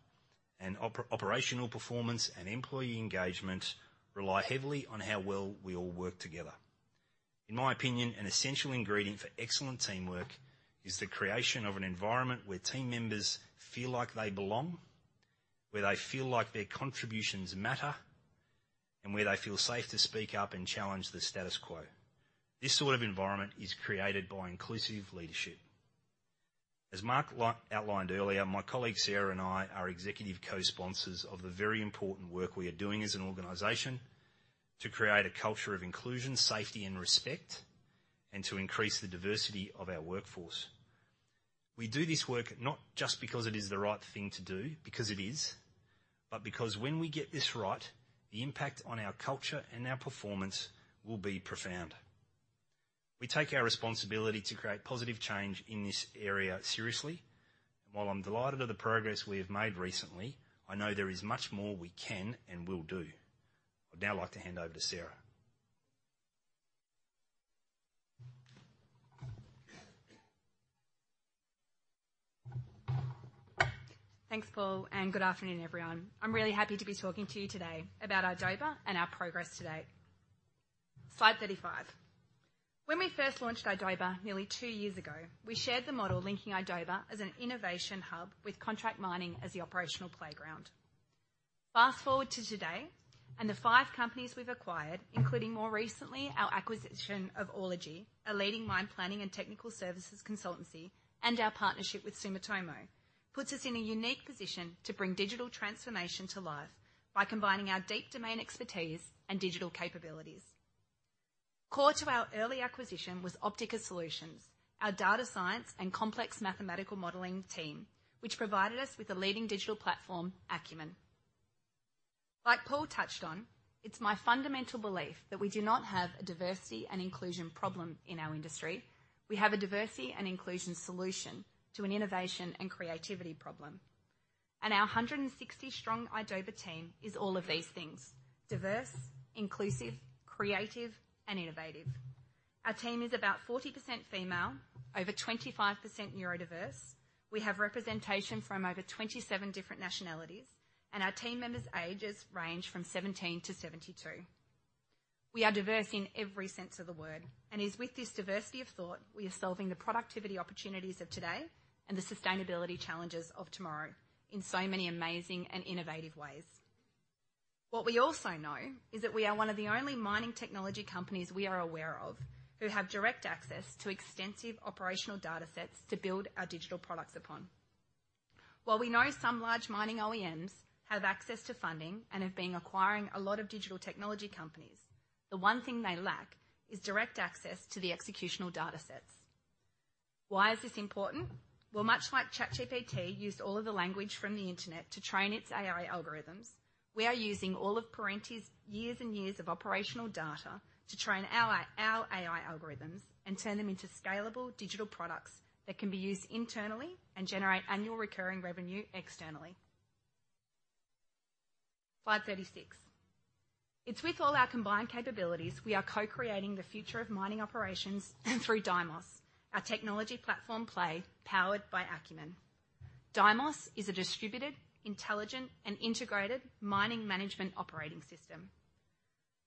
and operational performance and employee engagement, rely heavily on how well we all work together. In my opinion, an essential ingredient for excellent teamwork is the creation of an environment where team members feel like they belong, where they feel like their contributions matter. Where they feel safe to speak up and challenge the status quo. This sort of environment is created by inclusive leadership. As Mark outlined earlier, my colleague, Sarah and I, are executive co-sponsors of the very important work we are doing as an organization to create a culture of inclusion, safety, and respect, and to increase the diversity of our workforce. We do this work not just because it is the right thing to do, because it is, but because when we get this right, the impact on our culture and our performance will be profound. We take our responsibility to create positive change in this area seriously. While I'm delighted of the progress we have made recently, I know there is much more we can and will do. I'd now like to hand over to Sarah. Thanks, Paul. Good afternoon, everyone. I'm really happy to be talking to you today about idoba and our progress today. Slide 35. When we first launched idoba nearly two years ago, we shared the model linking idoba as an innovation hub with contract mining as the operational playground. Fast-forward to today, the five companies we've acquired, including more recently, our acquisition of Orelogy, a leading mine planning and technical services consultancy, and our partnership with Sumitomo, puts us in a unique position to bring digital transformation to life by combining our deep domain expertise and digital capabilities. Core to our early acquisition was Optika Solutions, our data science and complex mathematical modeling team, which provided us with a leading digital platform, Akumen. Like Paul touched on, it's my fundamental belief that we do not have a diversity and inclusion problem in our industry. We have a diversity and inclusion solution to an innovation and creativity problem, and our 160 strong idoba team is all of these things: diverse, inclusive, creative, and innovative. Our team is about 40% female, over 25% neurodiverse. We have representation from over 27 different nationalities, and our team members' ages range from 17 to 72. We are diverse in every sense of the word, and it's with this diversity of thought, we are solving the productivity opportunities of today and the sustainability challenges of tomorrow in so many amazing and innovative ways. What we also know is that we are one of the only mining technology companies we are aware of who have direct access to extensive operational data sets to build our digital products upon. While we know some large mining OEMs have access to funding and have been acquiring a lot of digital technology companies, the one thing they lack is direct access to the executional data sets. Why is this important? Well, much like ChatGPT used all of the language from the Internet to train its AI algorithms, we are using all of Perenti's years and years of operational data to train our AI algorithms and turn them into scalable digital products that can be used internally and generate annual recurring revenue externally. Slide 36. It's with all our combined capabilities, we are co-creating the future of mining operations through DiiMOS, our technology platform play, powered by Akumen. DiiMOS is a distributed, intelligent, and integrated mining management operating system.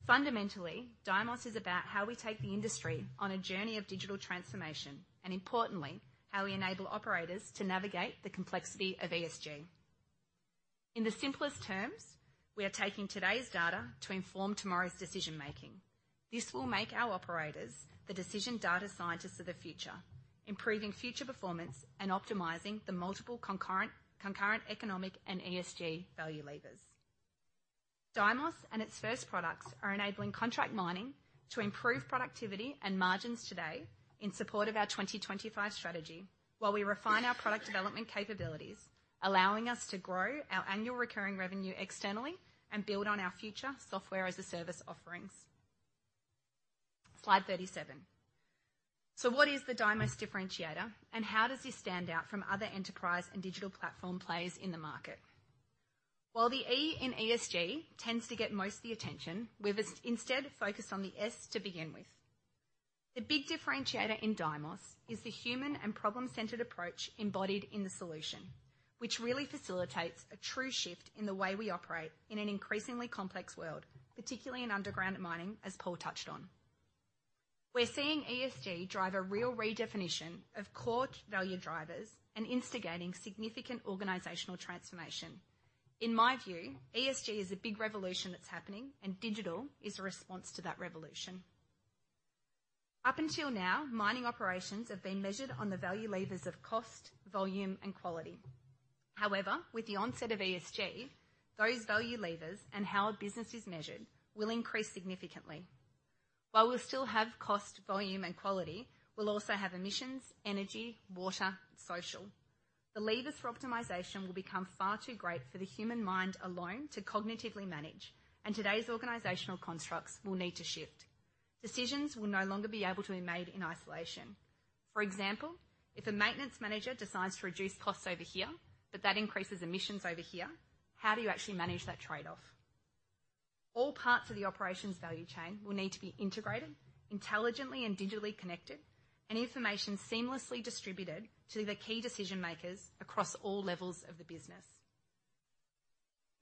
Fundamentally, DiiMOS is about how we take the industry on a journey of digital transformation, and importantly, how we enable operators to navigate the complexity of ESG. In the simplest terms, we are taking today's data to inform tomorrow's decision-making. This will make our operators the decision data scientists of the future, improving future performance and optimizing the multiple concurrent economic and ESG value levers. DiiMOS and its first products are enabling contract mining to improve productivity and margins today in support of our 2025 strategy, while we refine our product development capabilities, allowing us to grow our annual recurring revenue externally and build on our future Software as a Service offerings. Slide 37. What is the DiiMOS differentiator, and how does this stand out from other enterprise and digital platform players in the market? While the E in ESG tends to get most of the attention, we've instead focused on the S to begin with. The big differentiator in DiiMOS is the human and problem-centered approach embodied in the solution, which really facilitates a true shift in the way we operate in an increasingly complex world, particularly in underground mining, as Paul touched on. We're seeing ESG drive a real redefinition of core value drivers and instigating significant organizational transformation. In my view, ESG is a big revolution that's happening. Digital is a response to that revolution. Up until now, mining operations have been measured on the value levers of cost, volume, and quality. However, with the onset of ESG, those value levers and how a business is measured will increase significantly. While we'll still have cost, volume, and quality, we'll also have emissions, energy, water, social. The levers for optimization will become far too great for the human mind alone to cognitively manage. Today's organizational constructs will need to shift. Decisions will no longer be able to be made in isolation. For example, if a maintenance manager decides to reduce costs over here, but that increases emissions over here, how do you actually manage that trade-off? All parts of the operations value chain will need to be integrated, intelligently and digitally connected, and information seamlessly distributed to the key decision-makers across all levels of the business.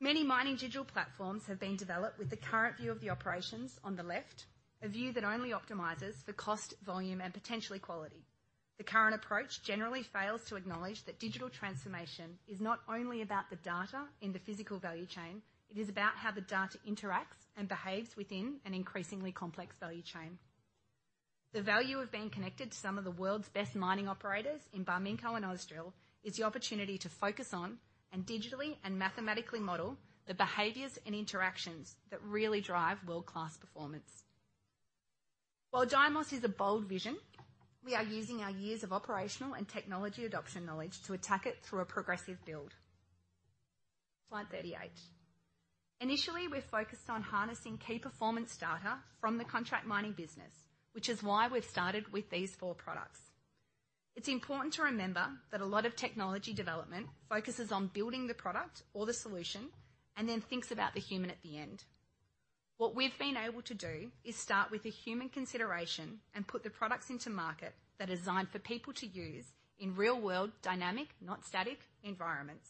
Many mining digital platforms have been developed with the current view of the operations on the left, a view that only optimizes for cost, volume, and potentially quality.... The current approach generally fails to acknowledge that digital transformation is not only about the data in the physical value chain, it is about how the data interacts and behaves within an increasingly complex value chain. The value of being connected to some of the world's best mining operators in Barminco and Ausdrill, is the opportunity to focus on, and digitally and mathematically model, the behaviors and interactions that really drive world-class performance. While DiiMOS is a bold vision, we are using our years of operational and technology adoption knowledge to attack it through a progressive build. Slide 38. Initially, we're focused on harnessing key performance data from the contract mining business, which is why we've started with these four products. It's important to remember that a lot of technology development focuses on building the product or the solution, and then thinks about the human at the end. What we've been able to do is start with a human consideration and put the products into market that are designed for people to use in real-world, dynamic, not static, environments.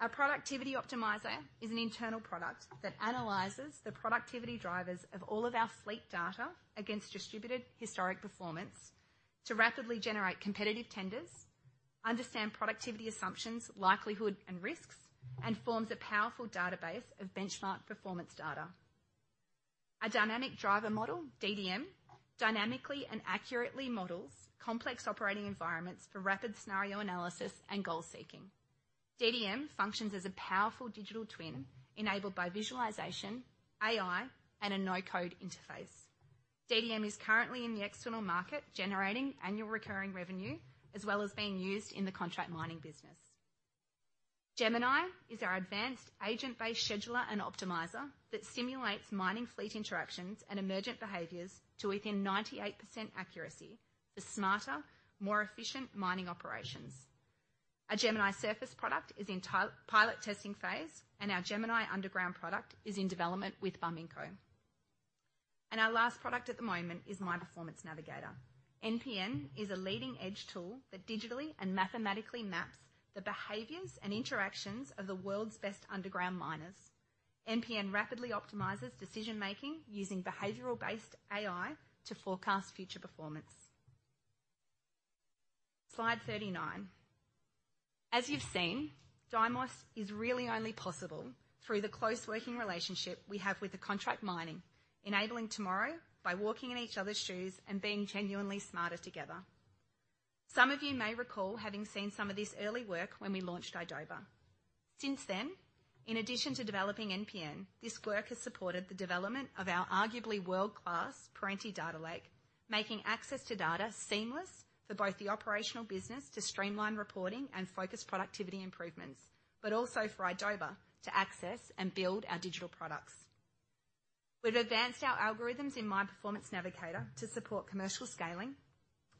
Our productivity optimizer is an internal product that analyzes the productivity drivers of all of our fleet data against distributed historic performance to rapidly generate competitive tenders, understand productivity assumptions, likelihood, and risks, and forms a powerful database of benchmark performance data. Our Dynamic Driver Modelling, DDM, dynamically and accurately models complex operating environments for rapid scenario analysis and goal seeking. DDM functions as a powerful digital twin, enabled by visualization, AI, and a no-code interface. DDM is currently in the external market, generating annual recurring revenue, as well as being used in the contract mining business. Gemini is our advanced agent-based scheduler and optimizer that simulates mining fleet interactions and emergent behaviors to within 98% accuracy for smarter, more efficient mining operations. Our Gemini Surface product is in pilot testing phase. Our Gemini Underground product is in development with Barminco. Our last product at the moment is Mine Performance Navigator. MPN is a leading-edge tool that digitally and mathematically maps the behaviors and interactions of the world's best underground miners. MPN rapidly optimizes decision-making using behavioral-based AI to forecast future performance. Slide 39. As you've seen, DiiMOS is really only possible through the close working relationship we have with the contract mining, enabling tomorrow by walking in each other's shoes and being genuinely smarter together. Some of you may recall having seen some of this early work when we launched idoba. Since then, in addition to developing MPN, this work has supported the development of our arguably world-class Perenti Data Lake, making access to data seamless for both the operational business to streamline reporting and focus productivity improvements, but also for idoba to access and build our digital products. We've advanced our algorithms in Mine Performance Navigator to support commercial scaling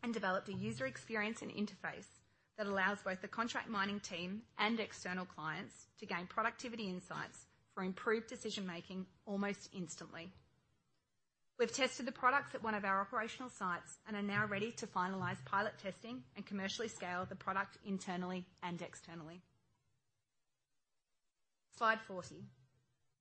and developed a user experience and interface that allows both the contract mining team and external clients to gain productivity insights for improved decision-making almost instantly. We've tested the products at one of our operational sites and are now ready to finalize pilot testing and commercially scale the product internally and externally. Slide 40.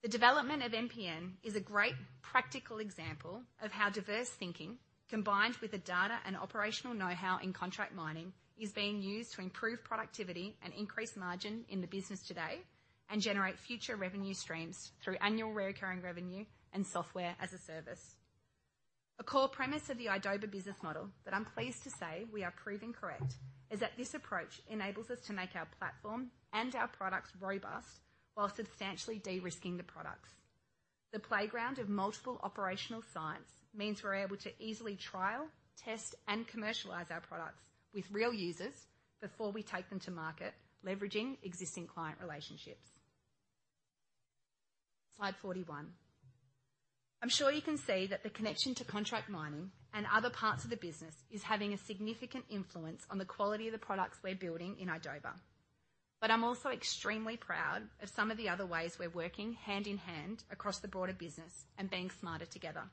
The development of MPN is a great practical example of how diverse thinking, combined with the data and operational know-how in contract mining, is being used to improve productivity and increase margin in the business today, and generate future revenue streams through annual recurring revenue and Software as a Service A core premise of the idoba business model that I'm pleased to say we are proving correct, is that this approach enables us to make our platform and our products robust while substantially de-risking the products. The playground of multiple operational sites means we're able to easily trial, test, and commercialize our products with real users before we take them to market, leveraging existing client relationships. Slide 41. I'm sure you can see that the connection to contract mining and other parts of the business is having a significant influence on the quality of the products we're building in idoba. I'm also extremely proud of some of the other ways we're working hand in hand across the broader business and being smarter together.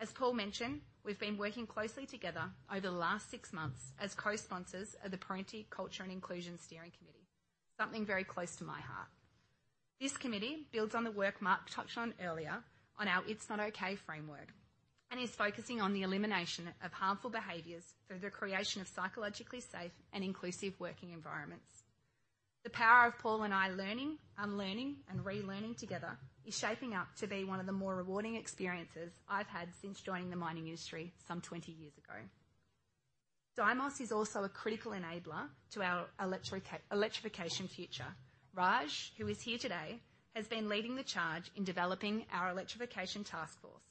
As Paul mentioned, we've been working closely together over the last six months as co-sponsors of the Perenti Culture and Inclusion Steering Committee, something very close to my heart. This committee builds on the work Mark touched on earlier on our It's Not Okay framework, and is focusing on the elimination of harmful behaviors through the creation of psychologically safe and inclusive working environments. The power of Paul and I learning, unlearning, and relearning together is shaping up to be one of the more rewarding experiences I've had since joining the mining industry some 20 years ago. DiiMOS is also a critical enabler to our electrification future. Raj, who is here today, has been leading the charge in developing our electrification Taskforce.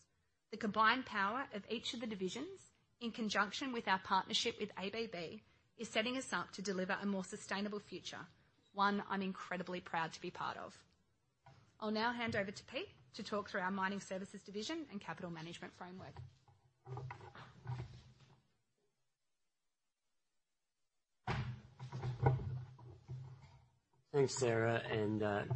The combined power of each of the divisions, in conjunction with our partnership with ABB, is setting us up to deliver a more sustainable future, one I'm incredibly proud to be part of. I'll now hand over to Pete to talk through our mining services division and capital management framework. Thanks, Sarah.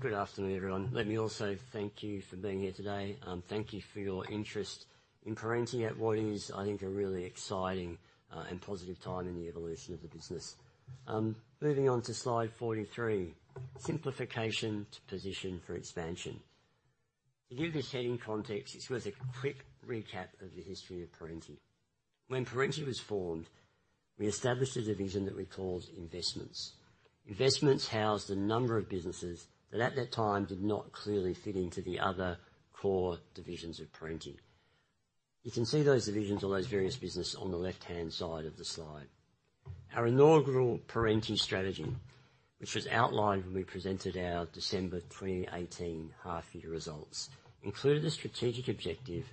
Good afternoon, everyone. Let me also thank you for being here today. Thank you for your interest in Perenti at what is, I think, a really exciting and positive time in the evolution of the business. Moving on to slide 43, simplification to position for expansion. To give this heading context, it's worth a quick recap of the history of Perenti. When Perenti was formed, we established a division that we called Investments. Investments housed a number of businesses that at that time, did not clearly fit into the other core divisions of Perenti. You can see those divisions or those various business on the left-hand side of the slide. Our inaugural Perenti strategy, which was outlined when we presented our December 2018 half year results, included a strategic objective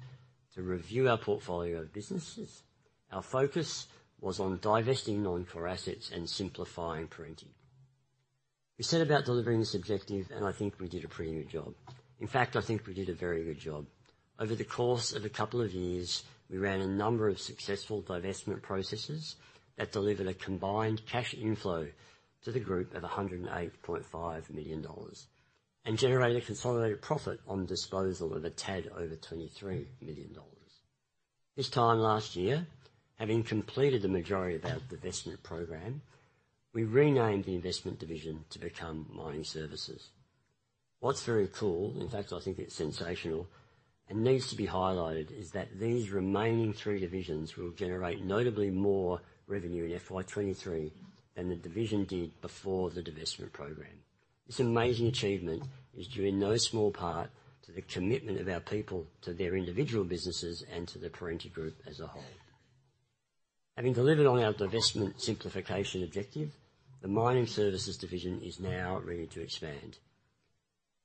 to review our portfolio of businesses. Our focus was on divesting non-core assets and simplifying Perenti. We set about delivering this objective, and I think we did a pretty good job. In fact, I think we did a very good job. Over the course of a couple of years, we ran a number of successful divestment processes that delivered a combined cash inflow to the group of AUD 108.5 million, and generated a consolidated profit on disposal of a tad over AUD 23 million. This time last year, having completed the majority of our divestment program, we renamed the investment division to become Mining Services. What's very cool, in fact, I think it's sensational, and needs to be highlighted, is that these remaining three divisions will generate notably more revenue in FY 2023 than the division did before the divestment program. This amazing achievement is due in no small part to the commitment of our people, to their individual businesses, and to the Perenti group as a whole. Having delivered on our divestment simplification objective, the Mining Services division is now ready to expand.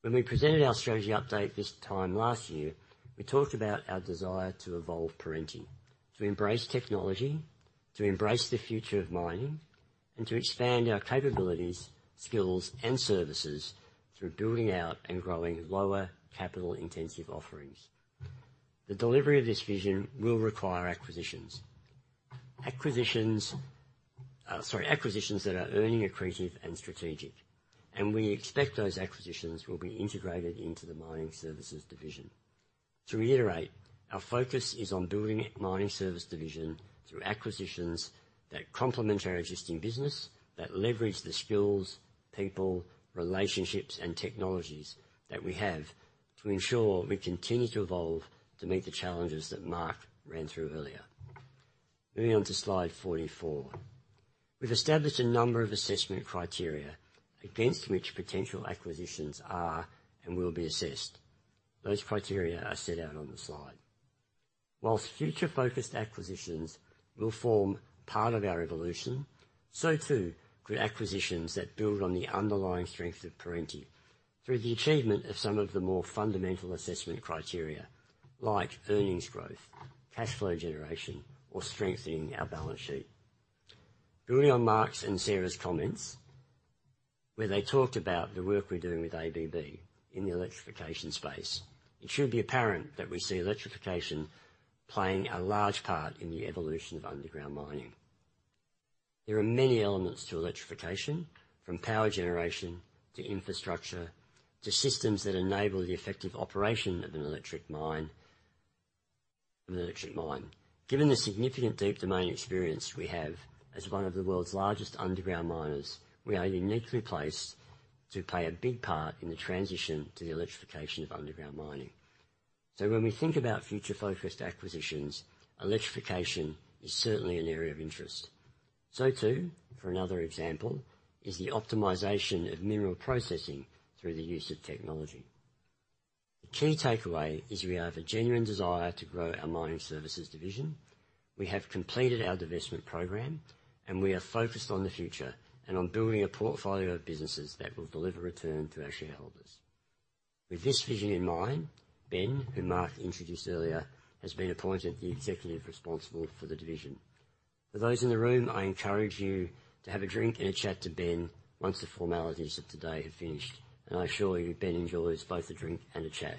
When we presented our strategy update this time last year, we talked about our desire to evolve Perenti, to embrace technology, to embrace the future of mining, and to expand our capabilities, skills, and services through building out and growing lower capital-intensive offerings. The delivery of this vision will require acquisitions. Acquisitions, sorry, acquisitions that are earning accretive and strategic, and we expect those acquisitions will be integrated into the Mining Services division. To reiterate, our focus is on building Mining Services division through acquisitions that complement our existing business, that leverage the skills, people, relationships, and technologies that we have, to ensure we continue to evolve to meet the challenges that Mark ran through earlier. Moving on to slide 44. We've established a number of assessment criteria against which potential acquisitions are and will be assessed. Those criteria are set out on the slide. Whilst future-focused acquisitions will form part of our evolution, so too, do acquisitions that build on the underlying strength of Perenti through the achievement of some of the more fundamental assessment criteria, like earnings growth, cash flow generation, or strengthening our balance sheet. Building on Mark's and Sarah's comments, where they talked about the work we're doing with ABB in the electrification space, it should be apparent that we see electrification playing a large part in the evolution of underground mining. There are many elements to electrification, from power generation, to infrastructure, to systems that enable the effective operation of an electric mine. Given the significant deep domain experience we have as one of the world's largest underground miners, we are uniquely placed to play a big part in the transition to the electrification of underground mining. When we think about future-focused acquisitions, electrification is certainly an area of interest. Too, for another example, is the optimization of mineral processing through the use of technology. The key takeaway is we have a genuine desire to grow our Mining Services division. We have completed our divestment program, and we are focused on the future and on building a portfolio of businesses that will deliver return to our shareholders. With this vision in mind, Ben, who Mark introduced earlier, has been appointed the executive responsible for the division. For those in the room, I encourage you to have a drink and a chat to Ben once the formalities of today have finished, and I assure you, Ben enjoys both a drink and a chat.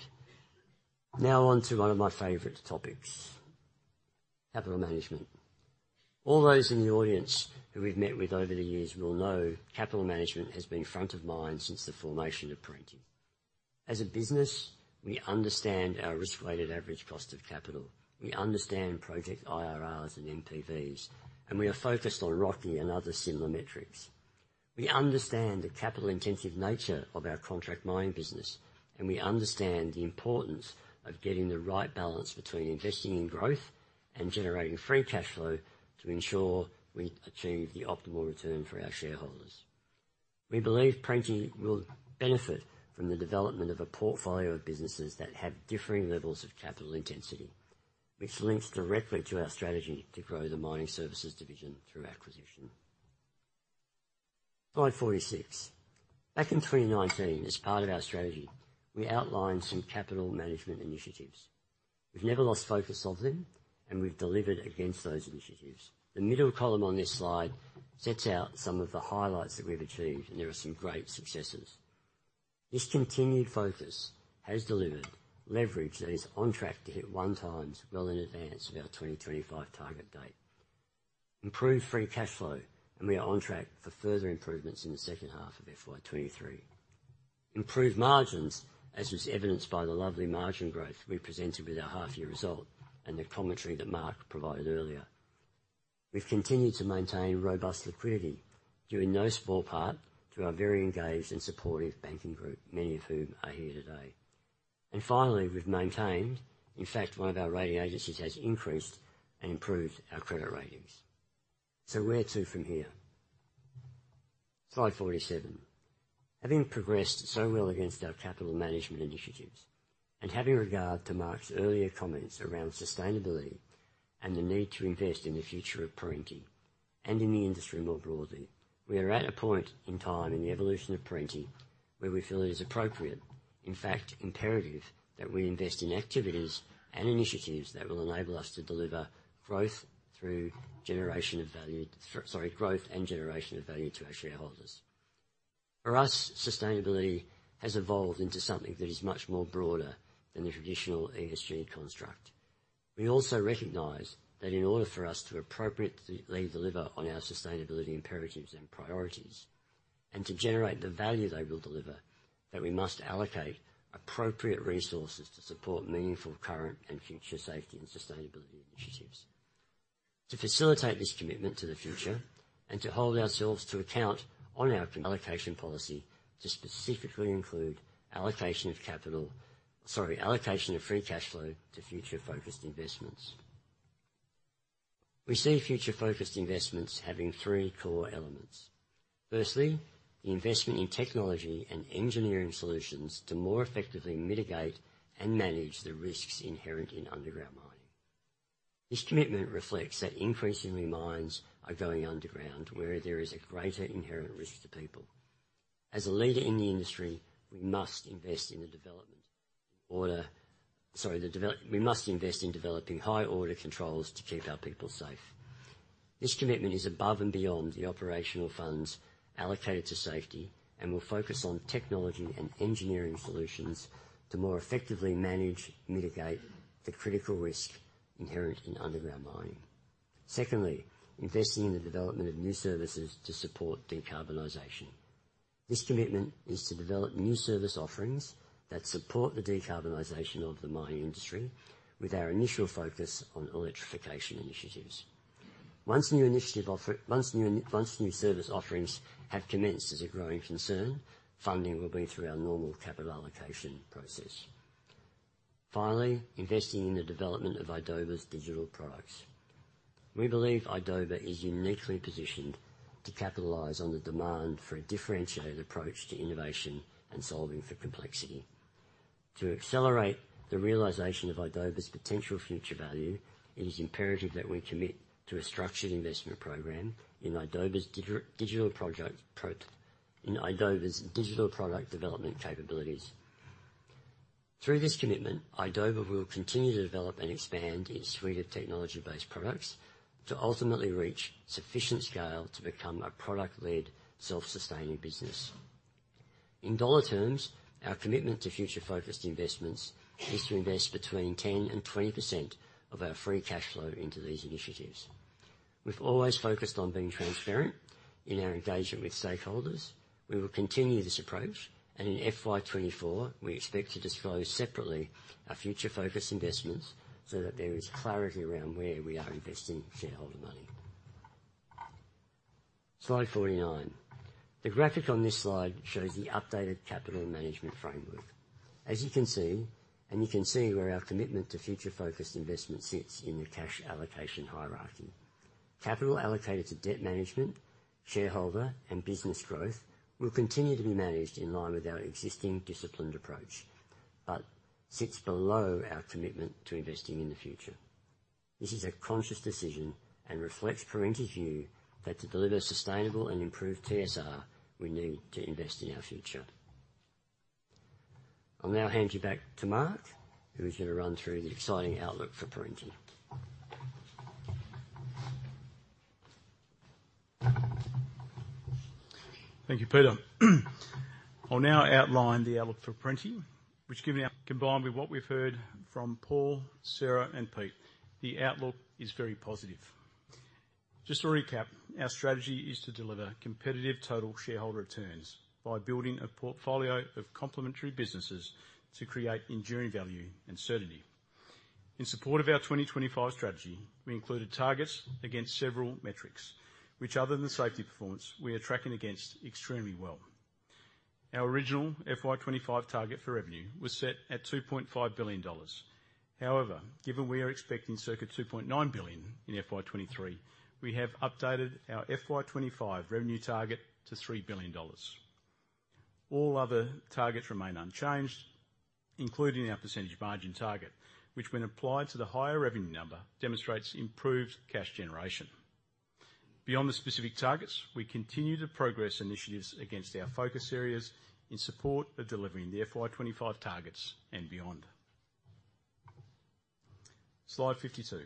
Now on to one of my favorite topics, capital management. All those in the audience who we've met with over the years will know capital management has been front of mind since the formation of Perenti. As a business, we understand our risk-weighted average cost of capital. We understand project IRRs and NPVs, and we are focused on ROCE and other similar metrics. We understand the capital-intensive nature of our contract mining business, and we understand the importance of getting the right balance between investing in growth and generating free cash flow to ensure we achieve the optimal return for our shareholders. We believe Perenti will benefit from the development of a portfolio of businesses that have differing levels of capital intensity, which links directly to our strategy to grow the Mining Services division through acquisition. Slide 46. Back in 2019, as part of our strategy, we outlined some capital management initiatives. We've never lost focus of them, and we've delivered against those initiatives. The middle column on this slide sets out some of the highlights that we've achieved, and there are some great successes. This continued focus has delivered leverage that is on track to hit 1xwell in advance of our 2025 target date. Improved free cash flow. We are on track for further improvements in the second half of FY 2023. Improved margins, as was evidenced by the lovely margin growth we presented with our half year result and the commentary that Mark provided earlier. We've continued to maintain robust liquidity, due in no small part to our very engaged and supportive banking group, many of whom are here today. Finally, we've maintained, in fact, one of our rating agencies has increased and improved our credit ratings. Where to from here? Slide 47. Having progressed so well against our capital management initiatives, and having regard to Mark's earlier comments around sustainability and the need to invest in the future of Perenti and in the industry more broadly, we are at a point in time in the evolution of Perenti, where we feel it is appropriate, in fact, imperative, that we invest in activities and initiatives that will enable us to deliver growth through generation of value, sorry, growth and generation of value to our shareholders. For us, sustainability has evolved into something that is much more broader than the traditional ESG construct. We also recognize that in order for us to appropriately deliver on our sustainability imperatives and priorities, and to generate the value they will deliver, that we must allocate appropriate resources to support meaningful, current, and future safety and sustainability initiatives. To facilitate this commitment to the future and to hold ourselves to account on our allocation policy, to specifically include allocation of capital, sorry, allocation of free cash flow to future-focused investments. We see future-focused investments having three core elements. Firstly, the investment in technology and engineering solutions to more effectively mitigate and manage the risks inherent in underground mining. This commitment reflects that increasingly, mines are going underground, where there is a greater inherent risk to people. As a leader in the industry, we must invest in developing high-order controls to keep our people safe. This commitment is above and beyond the operational funds allocated to safety, and will focus on technology and engineering solutions to more effectively manage, mitigate the critical risk inherent in underground mining. Secondly, investing in the development of new services to support decarbonisation. This commitment is to develop new service offerings that support the decarbonisation of the mining industry, with our initial focus on electrification initiatives. Once new service offerings have commenced as a growing concern, funding will be through our normal capital allocation process. Finally, investing in the development of idoba's digital products. We believe idoba is uniquely positioned to capitalize on the demand for a differentiated approach to innovation and solving for complexity. To accelerate the realization of idoba's potential future value, it is imperative that we commit to a structured investment program in idoba's digital product development capabilities. Through this commitment, idoba will continue to develop and expand its suite of technology-based products to ultimately reach sufficient scale to become a product-led, self-sustaining business. In dollar terms, our commitment to future-focused investments is to invest between 10% and 20% of our free cash flow into these initiatives. We've always focused on being transparent in our engagement with stakeholders. We will continue this approach, and in FY 2024, we expect to disclose separately our future-focused investments, so that there is clarity around where we are investing shareholder money. Slide 49. The graphic on this slide shows the updated capital management framework. As you can see, and you can see where our commitment to future-focused investment sits in the cash allocation hierarchy. Capital allocated to debt management, shareholder, and business growth will continue to be managed in line with our existing disciplined approach, but sits below our commitment to investing in the future. This is a conscious decision and reflects Perenti view, that to deliver sustainable and improved TSR, we need to invest in our future. I'll now hand you back to Mark, who is going to run through the exciting outlook for Perenti. Thank you, Peter. I'll now outline the outlook for Perenti, which given, combined with what we've heard from Paul, Sarah, and Pete, the outlook is very positive. Just to recap, our strategy is to deliver competitive total shareholder returns by building a portfolio of complementary businesses to create enduring value and certainty. In support of our 2025 strategy, we included targets against several metrics, which, other than safety performance, we are tracking against extremely well. Our original FY 2025 target for revenue was set at AUD 2.5 billion. Given we are expecting circa AUD 2.9 billion in FY 2023, we have updated our FY 2025 revenue target to AUD 3 billion. All other targets remain unchanged, including our percentage margin target, which, when applied to the higher revenue number, demonstrates improved cash generation. Beyond the specific targets, we continue to progress initiatives against our focus areas in support of delivering the FY 2025 targets and beyond. Slide 52.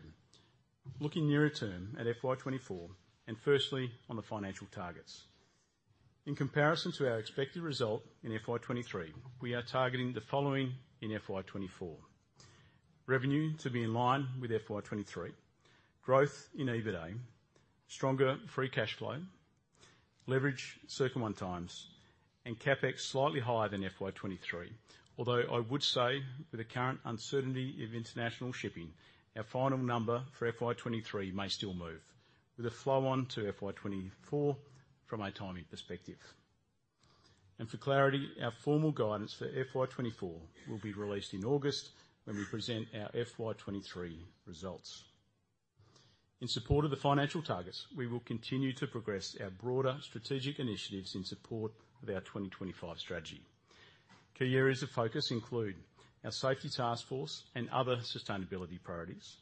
Looking nearer term at FY 2024, firstly, on the financial targets. In comparison to our expected result in FY 2023, we are targeting the following in FY 2024: Revenue to be in line with FY 2023, growth in EBITDA, stronger free cash flow leverage circa 1x, CapEx slightly higher than FY 2023. Although I would say, with the current uncertainty of international shipping, our final number for FY 2023 may still move, with a flow on to FY 2024 from a timing perspective. For clarity, our formal guidance for FY 2024 will be released in August, when we present our FY 2023 results. In support of the financial targets, we will continue to progress our broader strategic initiatives in support of our 2025 strategy. Key areas of focus include our Safety Taskforce and other sustainability priorities,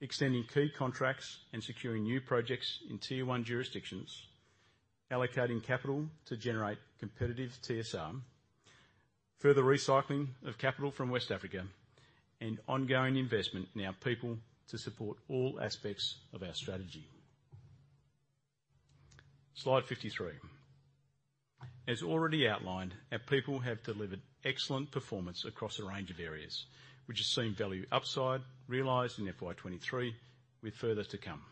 extending key contracts and securing new projects in tier one jurisdictions, allocating capital to generate competitive TSR, further recycling of capital from West Africa, and ongoing investment in our people to support all aspects of our strategy. Slide 53. As already outlined, our people have delivered excellent performance across a range of areas, which has seen value upside realized in FY 2023, with further to come.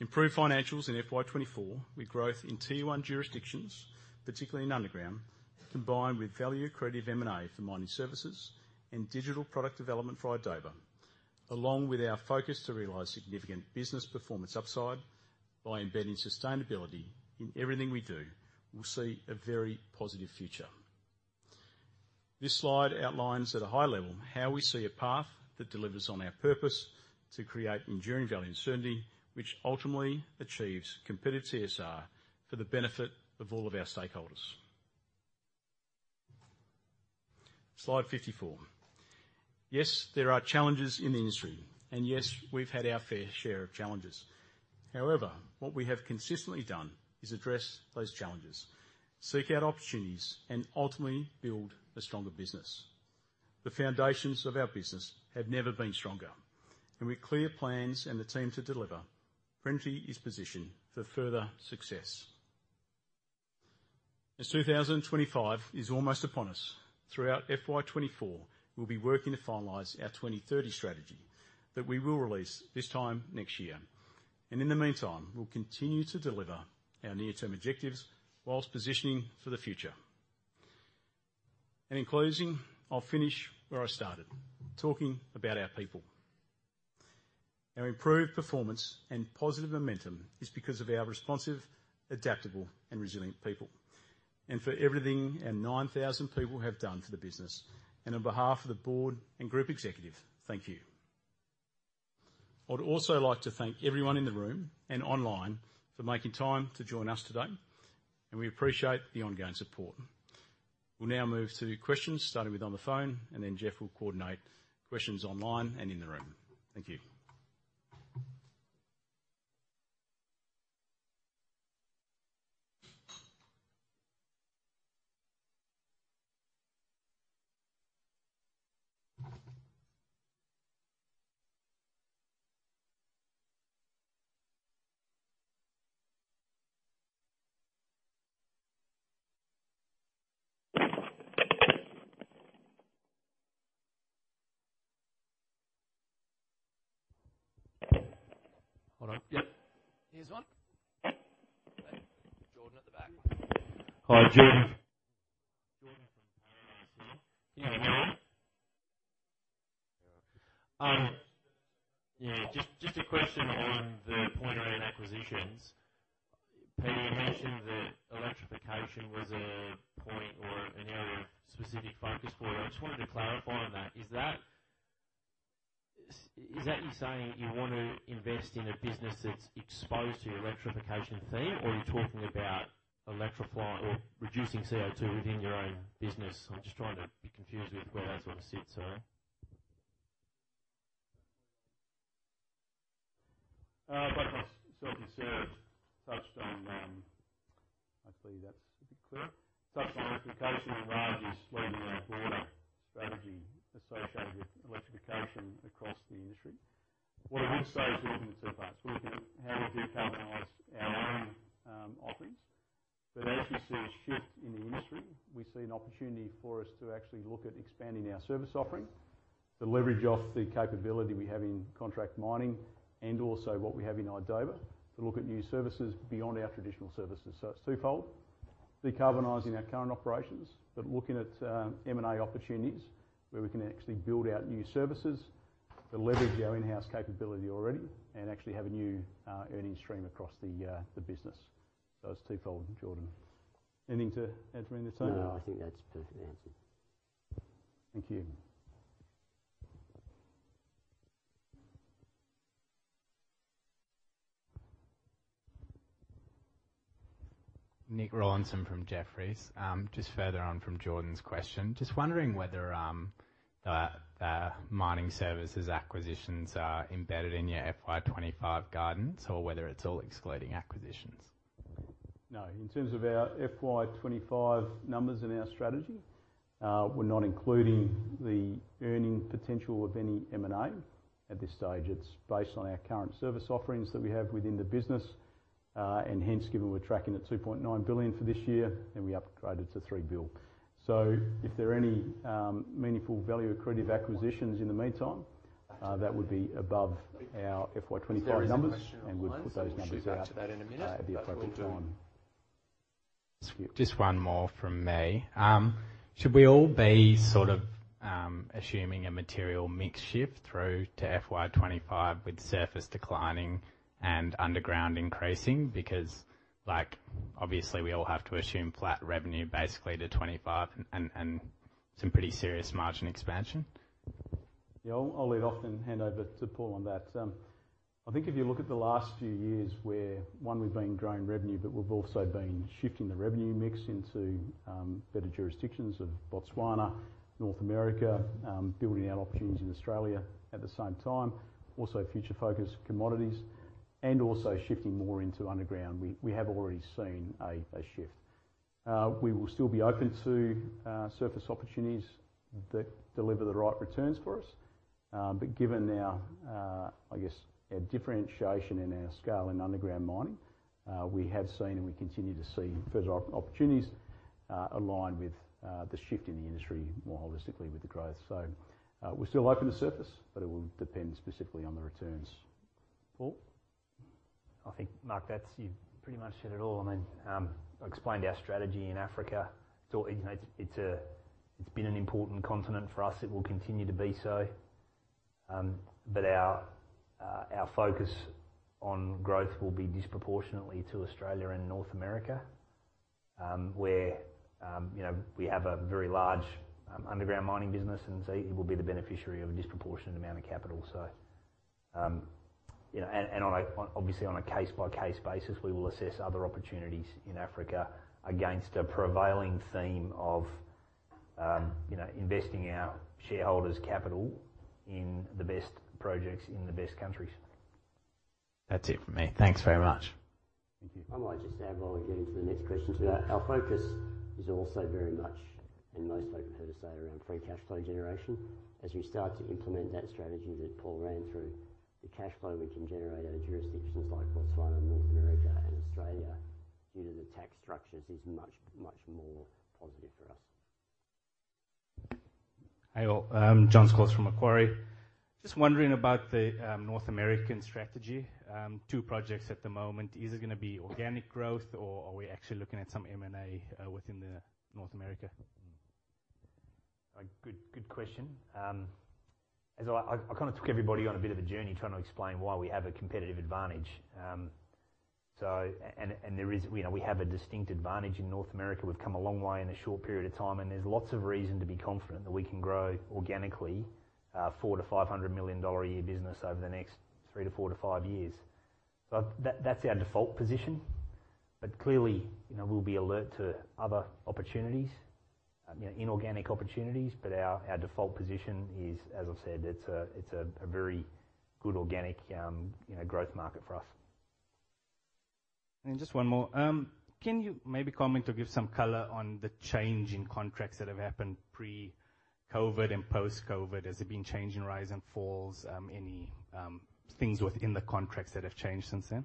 Improved financials in FY 2024, with growth in tier one jurisdictions, particularly in underground, combined with value-accretive M&A for mining services and digital product development for idoba, along with our focus to realize significant business performance upside by embedding sustainability in everything we do, we'll see a very positive future. This slide outlines at a high level, how we see a path that delivers on our purpose to create enduring value and certainty, which ultimately achieves competitive TSR for the benefit of all of our stakeholders. Slide 54. Yes, there are challenges in the industry, and yes, we've had our fair share of challenges. However, what we have consistently done is address those challenges, seek out opportunities, and ultimately build a stronger business. The foundations of our business have never been stronger, and with clear plans and the team to deliver, Perenti is positioned for further success. As 2025 is almost upon us, throughout FY 2024, we'll be working to finalize our 2030 strategy that we will release this time next year. In the meantime, we'll continue to deliver our near-term objectives whilst positioning for the future. In closing, I'll finish where I started, talking about our people. Our improved performance and positive momentum is because of our responsive, adaptable and resilient people, and for everything our 9,000 people have done for the business, and on behalf of the board and group executive, thank you. I would also like to thank everyone in the room and online for making time to join us today, and we appreciate the ongoing support. We'll now move to questions, starting with on the phone, and then Jeff will coordinate questions online and in the room. Thank you. Hold on. Yep, here's one. Jordan at the back. Hi, Jordan. Can you hear me? Yeah, just a question on the point around acquisitions. Peter, you mentioned that electrification was a point or an area of specific focus for you. I just wanted to clarify on that. Is that you saying you want to invest in a business that's exposed to the electrification theme, or are you talking about electrifying or reducing CO2 within your own business? I'm just trying to be confused with where that sort of sits, so. Both are certainly served, touched on. Hopefully, that's a bit clearer. Touched on electrification and large is leading our broader strategy associated with electrification across the industry. What I would say is looking at two parts, looking at how we decarbonize our own offerings. As we see a shift in the industry, we see an opportunity for us to actually look at expanding our service offering to leverage off the capability we have in contract mining and also what we have in idoba, to look at new services beyond our traditional services. It's twofold: decarbonizing our current operations, but looking at M&A opportunities, where we can actually build out new services to leverage our in-house capability already and actually have a new earning stream across the business. It's twofold, Jordan. Anything to add from your side? No, I think that's a perfect answer. Thank you. Nick Rawlinson from Jefferies. Just further on from Jordan's question, just wondering whether the mining services acquisitions are embedded in your FY 2025 guidance or whether it's all excluding acquisitions? No. In terms of our FY 2025 numbers and our strategy, we're not including the earning potential of any M&A at this stage. It's based on our current service offerings that we have within the business, and hence, given we're tracking at 2.9 billion for this year, and we upgraded to 3 billion. If there are any meaningful value-accretive acquisitions in the meantime, that would be above our FY 2025 numbers, and we'd put those numbers out at the appropriate time. Just one more from me. Should we all be sort of, assuming a material mix shift through to FY 2025, with surface declining and underground increasing? Like, obviously, we all have to assume flat revenue basically to 25 and some pretty serious margin expansion. Yeah, I'll lead off and hand over to Paul on that. I think if you look at the last few years, where, one, we've been growing revenue, but we've also been shifting the revenue mix into better jurisdictions of Botswana, North America, building out opportunities in Australia. At the same time, also future-focused commodities, and also shifting more into underground. We have already seen a shift. We will still be open to surface opportunities that deliver the right returns for us. Given our, I guess, our differentiation in our scale in underground mining, we have seen and we continue to see further opportunities align with the shift in the industry more holistically with the growth. We're still open to surface, but it will depend specifically on the returns. Paul? I think, Mark, that's you've pretty much said it all. I mean, I explained our strategy in Africa. You know, it's been an important continent for us. It will continue to be so. Our focus on growth will be disproportionately to Australia and North America, where, you know, we have a very large underground mining business, and so it will be the beneficiary of a disproportionate amount of capital. You know, and on a obviously, on a case-by-case basis, we will assess other opportunities in Africa against a prevailing theme of, you know, investing our shareholders' capital in the best projects in the best countries. That's it from me. Thanks very much. Thank you. I might just add while we're getting to the next question. Our focus is also very much, and most open for to say, around free cash flow generation. As we start to implement that strategy that Paul ran through, the cash flow we can generate out of jurisdictions like Botswana, North America, and Australia, due to the tax structures, is much, much more positive for us. Hi, all. I'm John Scott from Macquarie. Just wondering about the North American strategy. Two projects at the moment. Is it gonna be organic growth, or are we actually looking at some M&A within the North America? A good question. As I kind of took everybody on a bit of a journey trying to explain why we have a competitive advantage. You know, we have a distinct advantage in North America. We've come a long way in a short period of time, and there's lots of reason to be confident that we can grow organically, 400 million-500 million dollar a year business over the next 3-4-5 years. That's our default position. Clearly, you know, we'll be alert to other opportunities, you know, inorganic opportunities, but our default position is, as I've said, it's a very good organic, you know, growth market for us. Just one more. Can you maybe comment or give some color on the change in contracts that have happened pre-COVID and post-COVID? Has there been change in rise and falls, any, things within the contracts that have changed since then?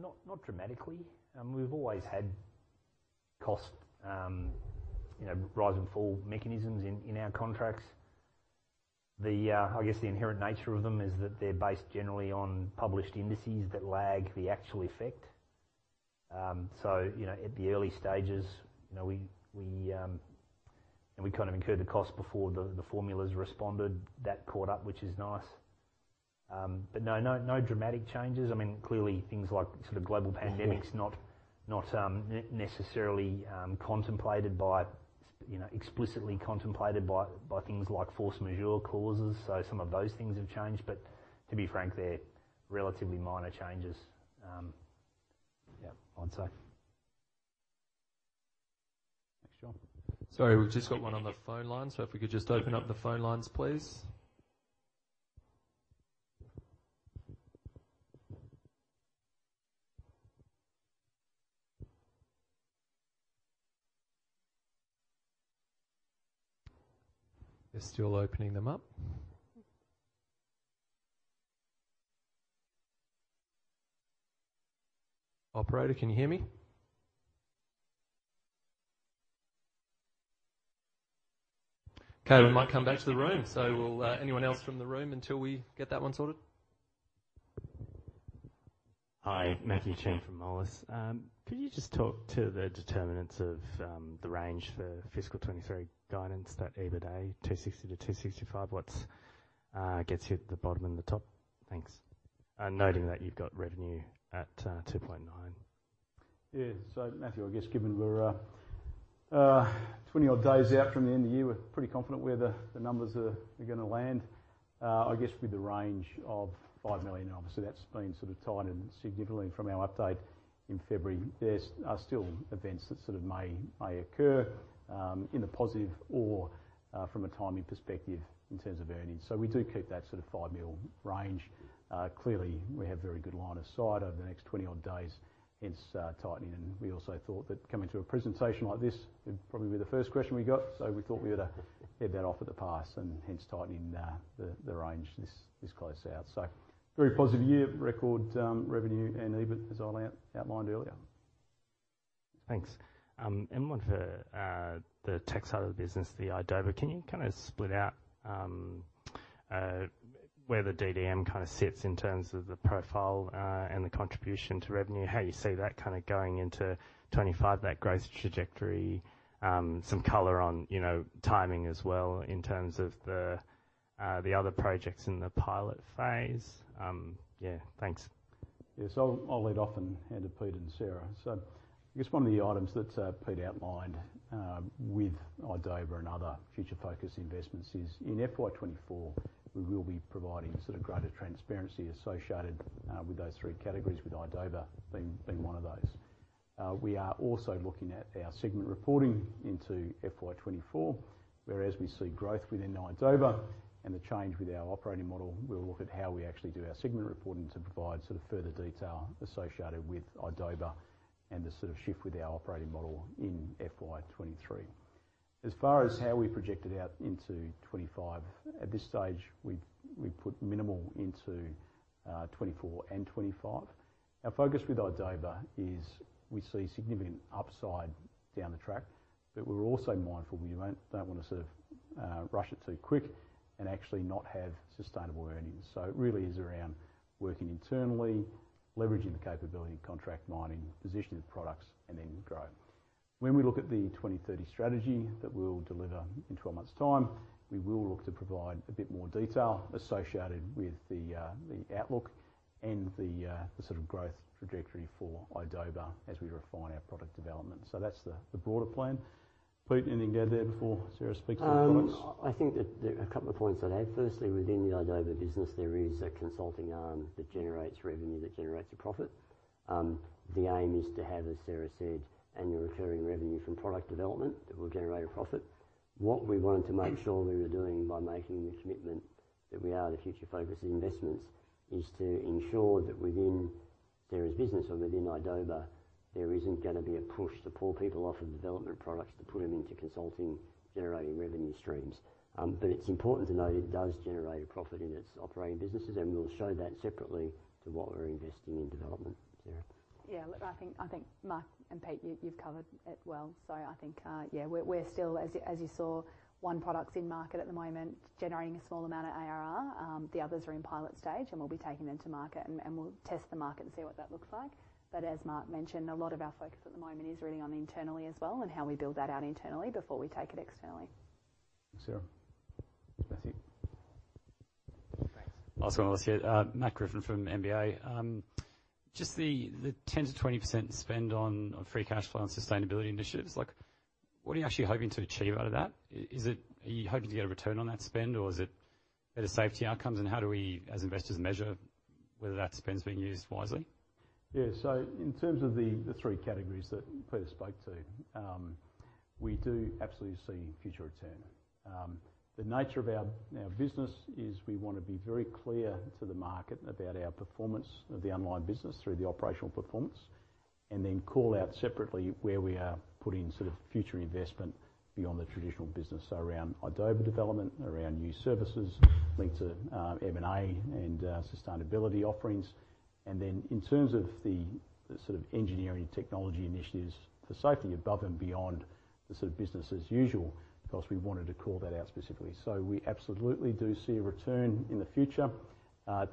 not dramatically. We've always had cost, you know, rise and fall mechanisms in our contracts. The, I guess, the inherent nature of them is that they're based generally on published indices that lag the actual effect. So, you know, at the early stages, you know, we kind of incurred the cost before the formulas responded. That caught up, which is nice. But no, no dramatic changes. I mean, clearly, things like sort of global pandemics- Mm-hmm.... not necessarily contemplated by, you know, explicitly contemplated by things like force majeure clauses. Some of those things have changed, but to be frank, they're relatively minor changes. Yeah, I'd say. Thanks, John. Sorry, we've just got one on the phone line. If we could just open up the phone lines, please. They're still opening them up. Operator, can you hear me? Okay, we might come back to the room. Anyone else from the room until we get that one sorted? Hi, Matthew Chen from Moelis. Could you just talk to the determinants of the range for fiscal 2023 guidance, that EBITDA, 260 million-265 million? What gets you at the bottom and the top? Thanks. Noting that you've got revenue at 2.9 billion. Matthew, I guess given we're 20 odd days out from the end of the year, we're pretty confident where the numbers are gonna land. I guess with the range of 5 million, obviously, that's been sort of tightened significantly from our update in February. There are still events that sort of may occur in the positive or from a timing perspective in terms of earnings. We do keep that sort of 5 million range. Clearly, we have very good line of sight over the next 20 odd days, hence tightening. We also thought that coming to a presentation like this, it'd probably be the first question we got. We thought we ought to head that off at the pass and hence tightening the range this close out. very positive year, record, revenue and EBIT, as I outlined earlier. Thanks. One for the tech side of the business, the idoba. Can you kind of split out where the DDM kind of sits in terms of the profile and the contribution to revenue, how you see that kind of going into 25, that growth trajectory, some color on, you know, timing as well in terms of the other projects in the pilot phase? Yeah, thanks. Yes, I'll lead off and hand to Pete and Sarah. I guess one of the items that Pete outlined with idoba and other future-focused investments is in FY 2024, we will be providing sort of greater transparency associated with those three categories, with idoba being one of those. We are also looking at our segment reporting into FY 2024, whereas we see growth within idoba and the change with our operating model. We'll look at how we actually do our segment reporting to provide sort of further detail associated with idoba and the sort of shift with our operating model in FY 2023. As far as how we project it out into 2025, at this stage, we've put minimal into 2024 and 2025. Our focus with idoba is we see significant upside down the track, we're also mindful we don't want to sort of rush it too quick and actually not have sustainable earnings. It really is around working internally, leveraging the capability of contract mining, positioning the products, and then grow. When we look at the 2030 strategy that we'll deliver in 12 months' time, we will look to provide a bit more detail associated with the outlook and the sort of growth trajectory for idoba as we refine our product development. That's the broader plan. Pete, anything to add there before Sarah speaks to the products? I think that there are a couple of points I'd add. Firstly, within the idoba business, there is a consulting arm that generates revenue, that generates a profit. The aim is to have, as Sarah said, annual recurring revenue from product development that will generate a profit. What we wanted to make sure we were doing by making the commitment that we are the future-focused investments, is to ensure that within various business or within idoba, there isn't gonna be a push to pull people off of development products to put them into consulting, generating revenue streams. It's important to note it does generate a profit in its operating businesses, and we'll show that separately to what we're investing in development. Sarah? Yeah, look, I think, Mark and Pete, you've covered it well. I think, yeah, we're still, as you saw, one product's in market at the moment, generating a small amount of ARR. The others are in pilot stage, and we'll be taking them to market, and we'll test the market and see what that looks like. As Mark mentioned, a lot of our focus at the moment is really on internally as well and how we build that out internally before we take it externally. Sarah. Matthew? Thanks. Last one, last year. Matt Griffin from MBA. Just the 10% to 20% spend on free cash flow on sustainability initiatives, like, what are you actually hoping to achieve out of that? Are you hoping to get a return on that spend, or is it better safety outcomes, and how do we, as investors, measure whether that spend is being used wisely? Yeah. In terms of the three categories that Peter spoke to, we do absolutely see future return. The nature of our business is we want to be very clear to the market about our performance of the underlying business through the operational performance, and then call out separately where we are putting sort of future investment beyond the traditional business. Around idoba development, around new services linked to M&A and sustainability offerings. In terms of the sort of engineering technology initiatives for safety above and beyond the sort of business as usual, because we wanted to call that out specifically. We absolutely do see a return in the future.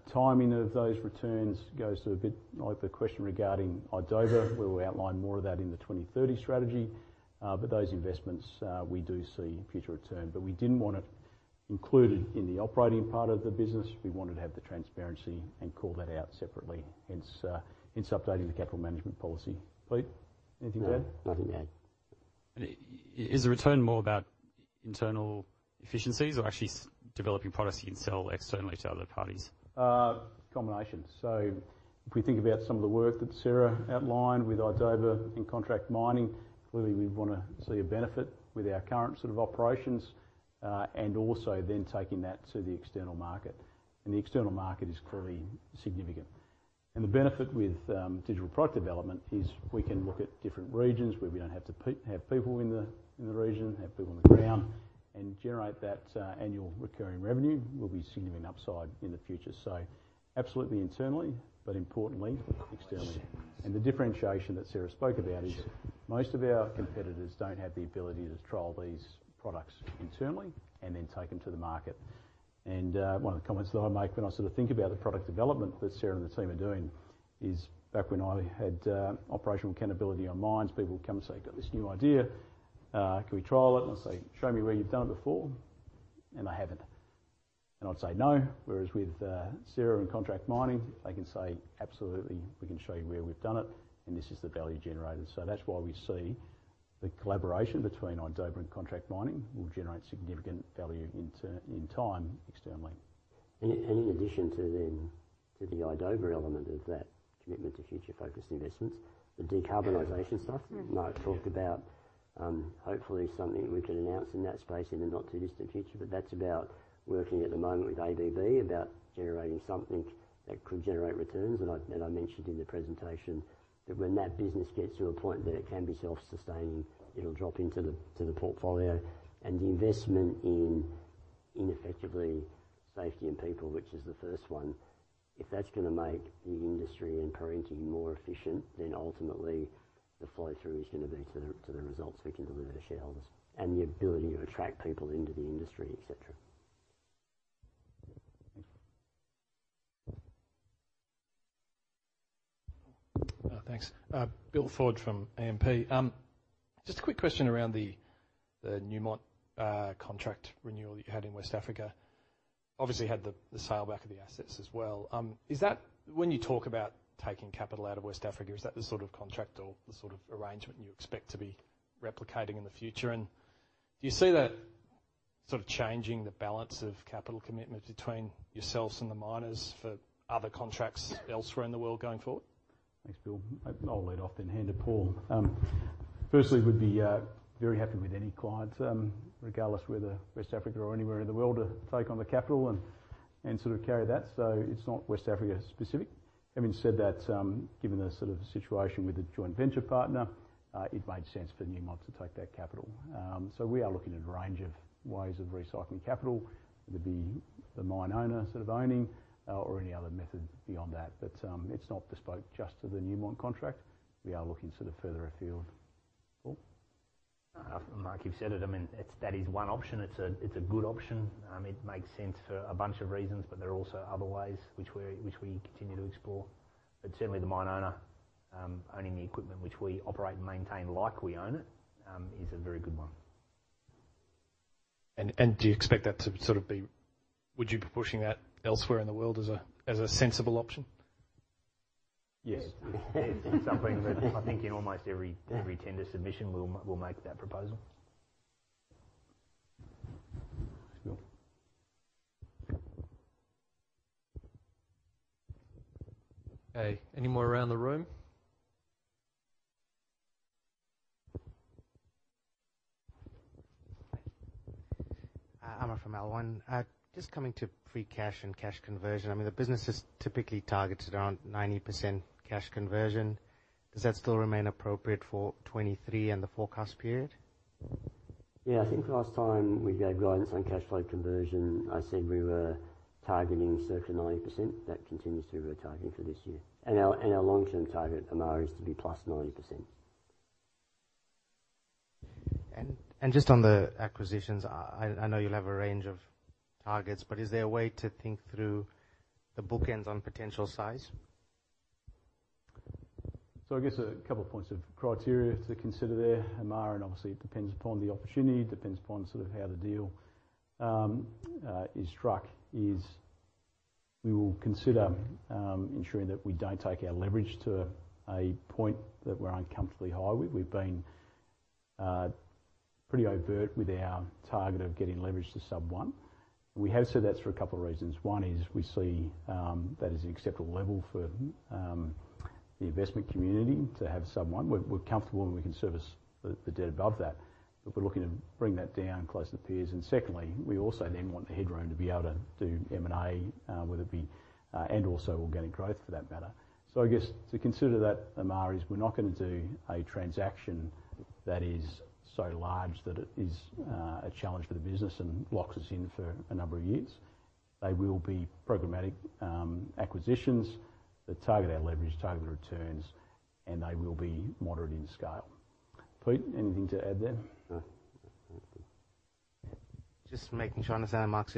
Timing of those returns goes to a bit like the question regarding idoba, where we outline more of that in the 2030 strategy. Those investments, we do see future return. We didn't want it included in the operating part of the business. We wanted to have the transparency and call that out separately, hence updating the capital management policy. Pete, anything to add? No, nothing to add. Is the return more about internal efficiencies or actually developing products you can sell externally to other parties? Combination. If we think about some of the work that Sarah outlined with idoba and contract mining, clearly, we want to see a benefit with our current sort of operations, and also then taking that to the external market. The external market is clearly significant. The benefit with digital product development is we can look at different regions where we don't have people in the, in the region, have people on the ground, and generate that annual recurring revenue. Will be significant upside in the future. Absolutely internally, but importantly, externally. Yes. The differentiation that Sarah spoke about. Sure... is most of our competitors don't have the ability to trial these products internally and then take them to the market. One of the comments that I make when I sort of think about the product development that Sarah and the team are doing is, back when I had operational accountability on mines, people would come and say, "I've got this new idea. Can we trial it?" I'd say: Show me where you've done it before. They haven't. I'd say, "No." Whereas with Sarah and Contract Mining, they can say, "Absolutely, we can show you where we've done it, and this is the value generated." That's why we see the collaboration between idoba and Contract Mining will generate significant value in time, externally. In addition to the idoba element of that commitment to future-focused investments, the decarbonisation stuff. Mm-hmm. Mark talked about, hopefully something we can announce in that space in the not-too-distant future. That's about working at the moment with ABB, about generating something that could generate returns. I mentioned in the presentation that when that business gets to a point that it can be self-sustaining, it'll drop into the portfolio.... ineffectively, safety and people, which is the first one. If that's gonna make the industry and Perenti more efficient, then ultimately the flow-through is gonna be to the, to the results we can deliver to shareholders and the ability to attract people into the industry, et cetera. Thanks. Bill Ford from AMP. Just a quick question around the Newmont contract renewal that you had in West Africa. Obviously, had the sale back of the assets as well. Is that when you talk about taking capital out of West Africa, is that the sort of contract or the sort of arrangement you expect to be replicating in the future? Do you see that sort of changing the balance of capital commitment between yourselves and the miners for other contracts elsewhere in the world going forward? Thanks, Bill. I'll lead off, then hand to Paul. Firstly, we'd be very happy with any client, regardless whether West Africa or anywhere in the world, to take on the capital and sort of carry that. It's not West Africa specific. Having said that, given the sort of situation with the joint venture partner, it made sense for Newmont to take that capital. We are looking at a range of ways of recycling capital, whether it be the mine owner sort of owning, or any other method beyond that. It's not bespoke just to the Newmont contract. We are looking sort of further afield. Paul? Like you've said it, I mean, that is one option. It's a, it's a good option. It makes sense for a bunch of reasons, but there are also other ways which we continue to explore. Certainly, the mine owner, owning the equipment which we operate and maintain, like we own it, is a very good one. Would you be pushing that elsewhere in the world as a sensible option? Yes. Yes. It's something that I think. Yeah... every tender submission, we'll make that proposal. Thanks, Bill. Hey, any more around the room? Hi. Amar from L1. Just coming to free cash and cash conversion. I mean, the business is typically targeted around 90% cash conversion. Does that still remain appropriate for 2023 and the forecast period? Yeah, I think last time we gave guidance on cash flow conversion, I said we were targeting circa 90%. That continues to be our targeting for this year. Our long-term target, Amar, is to be plus 90%. Just on the acquisitions, I know you'll have a range of targets, but is there a way to think through the bookends on potential size? I guess a couple of points of criteria to consider there, Amar, and obviously, it depends upon the opportunity, it depends upon sort of how the deal is struck, is we will consider ensuring that we don't take our leverage to a point that we're uncomfortably high. We've been pretty overt with our target of getting leverage to sub 1x. We have said that for a couple of reasons. One is we see that as the acceptable level for the investment community to have sub 1x. We're comfortable, and we can service the debt above that, but we're looking to bring that down closer to peers. Secondly, we also then want the headroom to be able to do M&A, whether it be and also organic growth for that matter. I guess to consider that, Amar, is we're not gonna do a transaction that is so large that it is a challenge for the business and locks us in for a number of years. They will be programmatic acquisitions that target our leverage, target the returns, and they will be moderate in scale. Pete, anything to add there? No. Just making sure I understand, Mark,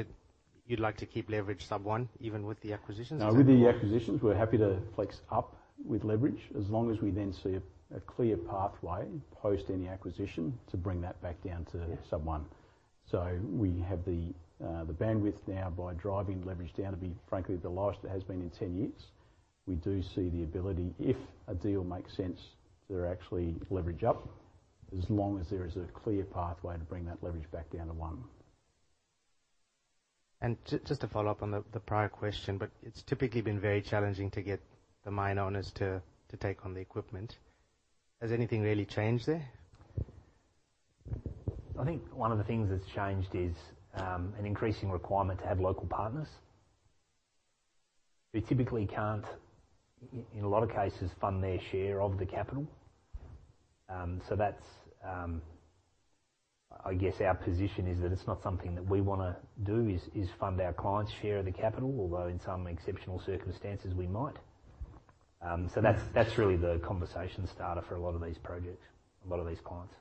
you'd like to keep leverage sub 1x, even with the acquisitions? With the acquisitions, we're happy to flex up with leverage as long as we then see a clear pathway, post any acquisition, to bring that back down to. Yeah... sub 1x. We have the bandwidth now by driving leverage down to be, frankly, the lowest it has been in 10 years. We do see the ability, if a deal makes sense, to actually leverage up, as long as there is a clear pathway to bring that leverage back down to one. Just to follow up on the prior question, it's typically been very challenging to get the mine owners to take on the equipment. Has anything really changed there? I think one of the things that's changed is, an increasing requirement to have local partners. We typically can't, in a lot of cases, fund their share of the capital. That's... I guess our position is that it's not something that we wanna do, is fund our clients' share of the capital, although in some exceptional circumstances, we might. That's, that's really the conversation starter for a lot of these projects, a lot of these clients.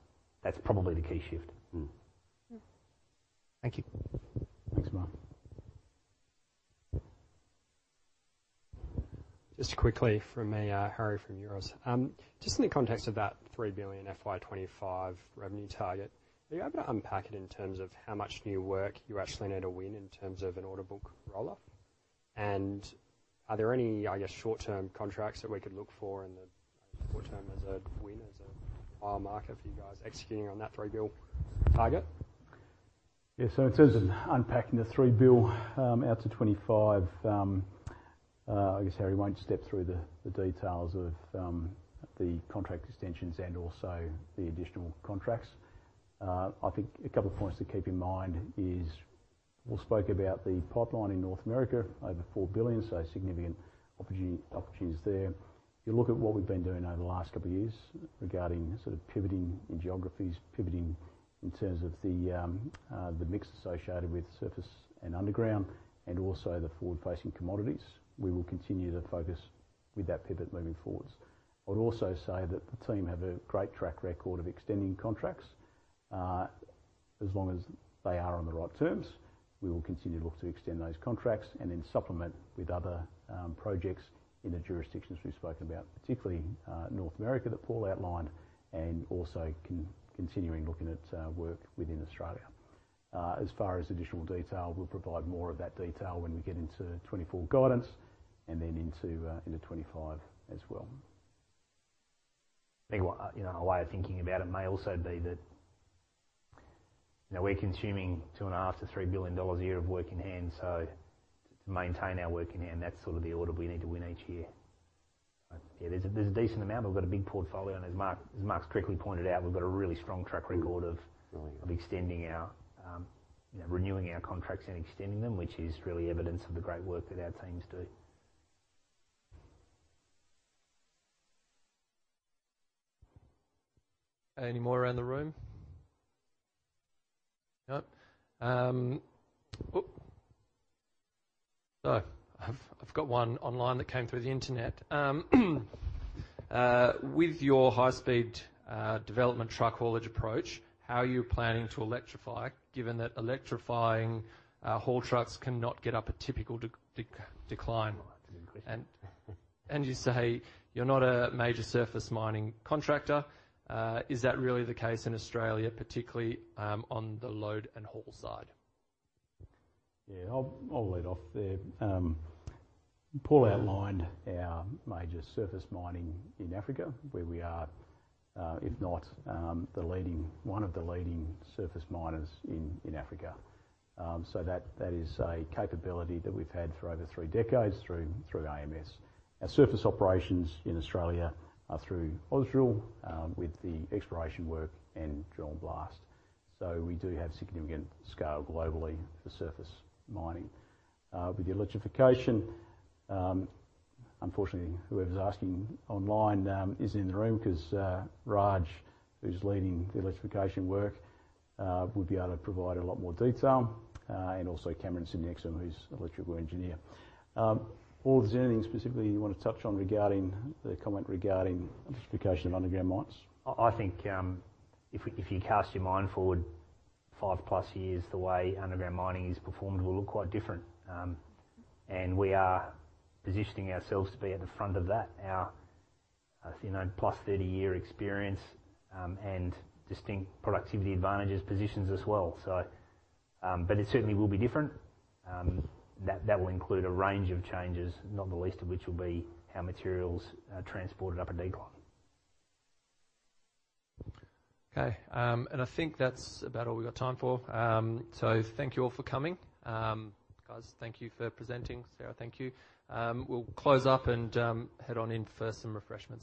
That's probably the key shift. Mm-hmm. Thank you. Thanks, Amar. Just quickly from me, Harry from Euroz Hartleys. Just in the context of that 3 billion FY 2025 revenue target, are you able to unpack it in terms of how much new work you actually need to win in terms of an order book roll-off? Are there any, I guess, short-term contracts that we could look for in the short term as a win, as a mile marker for you guys executing on that 3 billion target? In terms of unpacking the 3 bill out to 2025, I guess Harry, we won't step through the details of the contract extensions and also the additional contracts. I think a couple of points to keep in mind is, we spoke about the pipeline in North America, over 4 billion, so significant opportunity, opportunities there. If you look at what we've been doing over the last couple of years regarding sort of pivoting in geographies, pivoting in terms of the mix associated with surface and underground, and also the forward-facing commodities, we will continue to focus with that pivot moving forwards. I would also say that the team have a great track record of extending contracts. As long as they are on the right terms, we will continue to look to extend those contracts and then supplement with other projects in the jurisdictions we've spoken about, particularly North America, that Paul outlined, and also continuing looking at work within Australia. As far as additional detail, we'll provide more of that detail when we get into 2024 guidance and then into 2025 as well. I think what, you know, a way of thinking about it may also be that, now we're consuming 2.5 billion-3 billion dollars a year of work in hand, so to maintain our work in hand, that's sort of the order we need to win each year. Yeah, there's a, there's a decent amount. We've got a big portfolio, and as Mark's correctly pointed out, we've got a really strong track record of- Brilliant... of extending our, you know, renewing our contracts and extending them, which is really evidence of the great work that our teams do. Any more around the room? No. I've got one online that came through the internet. With your high-speed development truck haulage approach, how are you planning to electrify, given that electrifying haulage trucks cannot get up a typical decline? Oh, that's a good question. You say you're not a major surface mining contractor. Is that really the case in Australia, particularly on the load and haul side? Yeah, I'll lead off there. Paul outlined our major surface mining in Africa, where we are, if not, the leading, one of the leading surface miners in Africa. That is a capability that we've had for over three decades through AMS. Our surface operations in Australia are through Ausdrill, with the exploration work and drill and blast. We do have significant scale globally for surface mining. With the electrification, unfortunately, whoever's asking online, is in the room, because, Raj, who's leading the electrification work, would be able to provide a lot more detail, and also Cameron [Sydney Exum], who's electrical engineer. Paul, is there anything specifically you want to touch on regarding the comment regarding electrification of underground mines? I think, if you cast your mind forward 5+ years, the way underground mining is performed will look quite different. We are positioning ourselves to be at the front of that. Our you know plus 30-year experience, and distinct productivity advantages positions as well. It certainly will be different. That will include a range of changes, not the least of which will be how materials are transported up a decline. Okay, and I think that's about all we've got time for. Thank you all for coming. Guys, thank you for presenting. Sarah, thank you. We'll close up and head on in for some refreshments.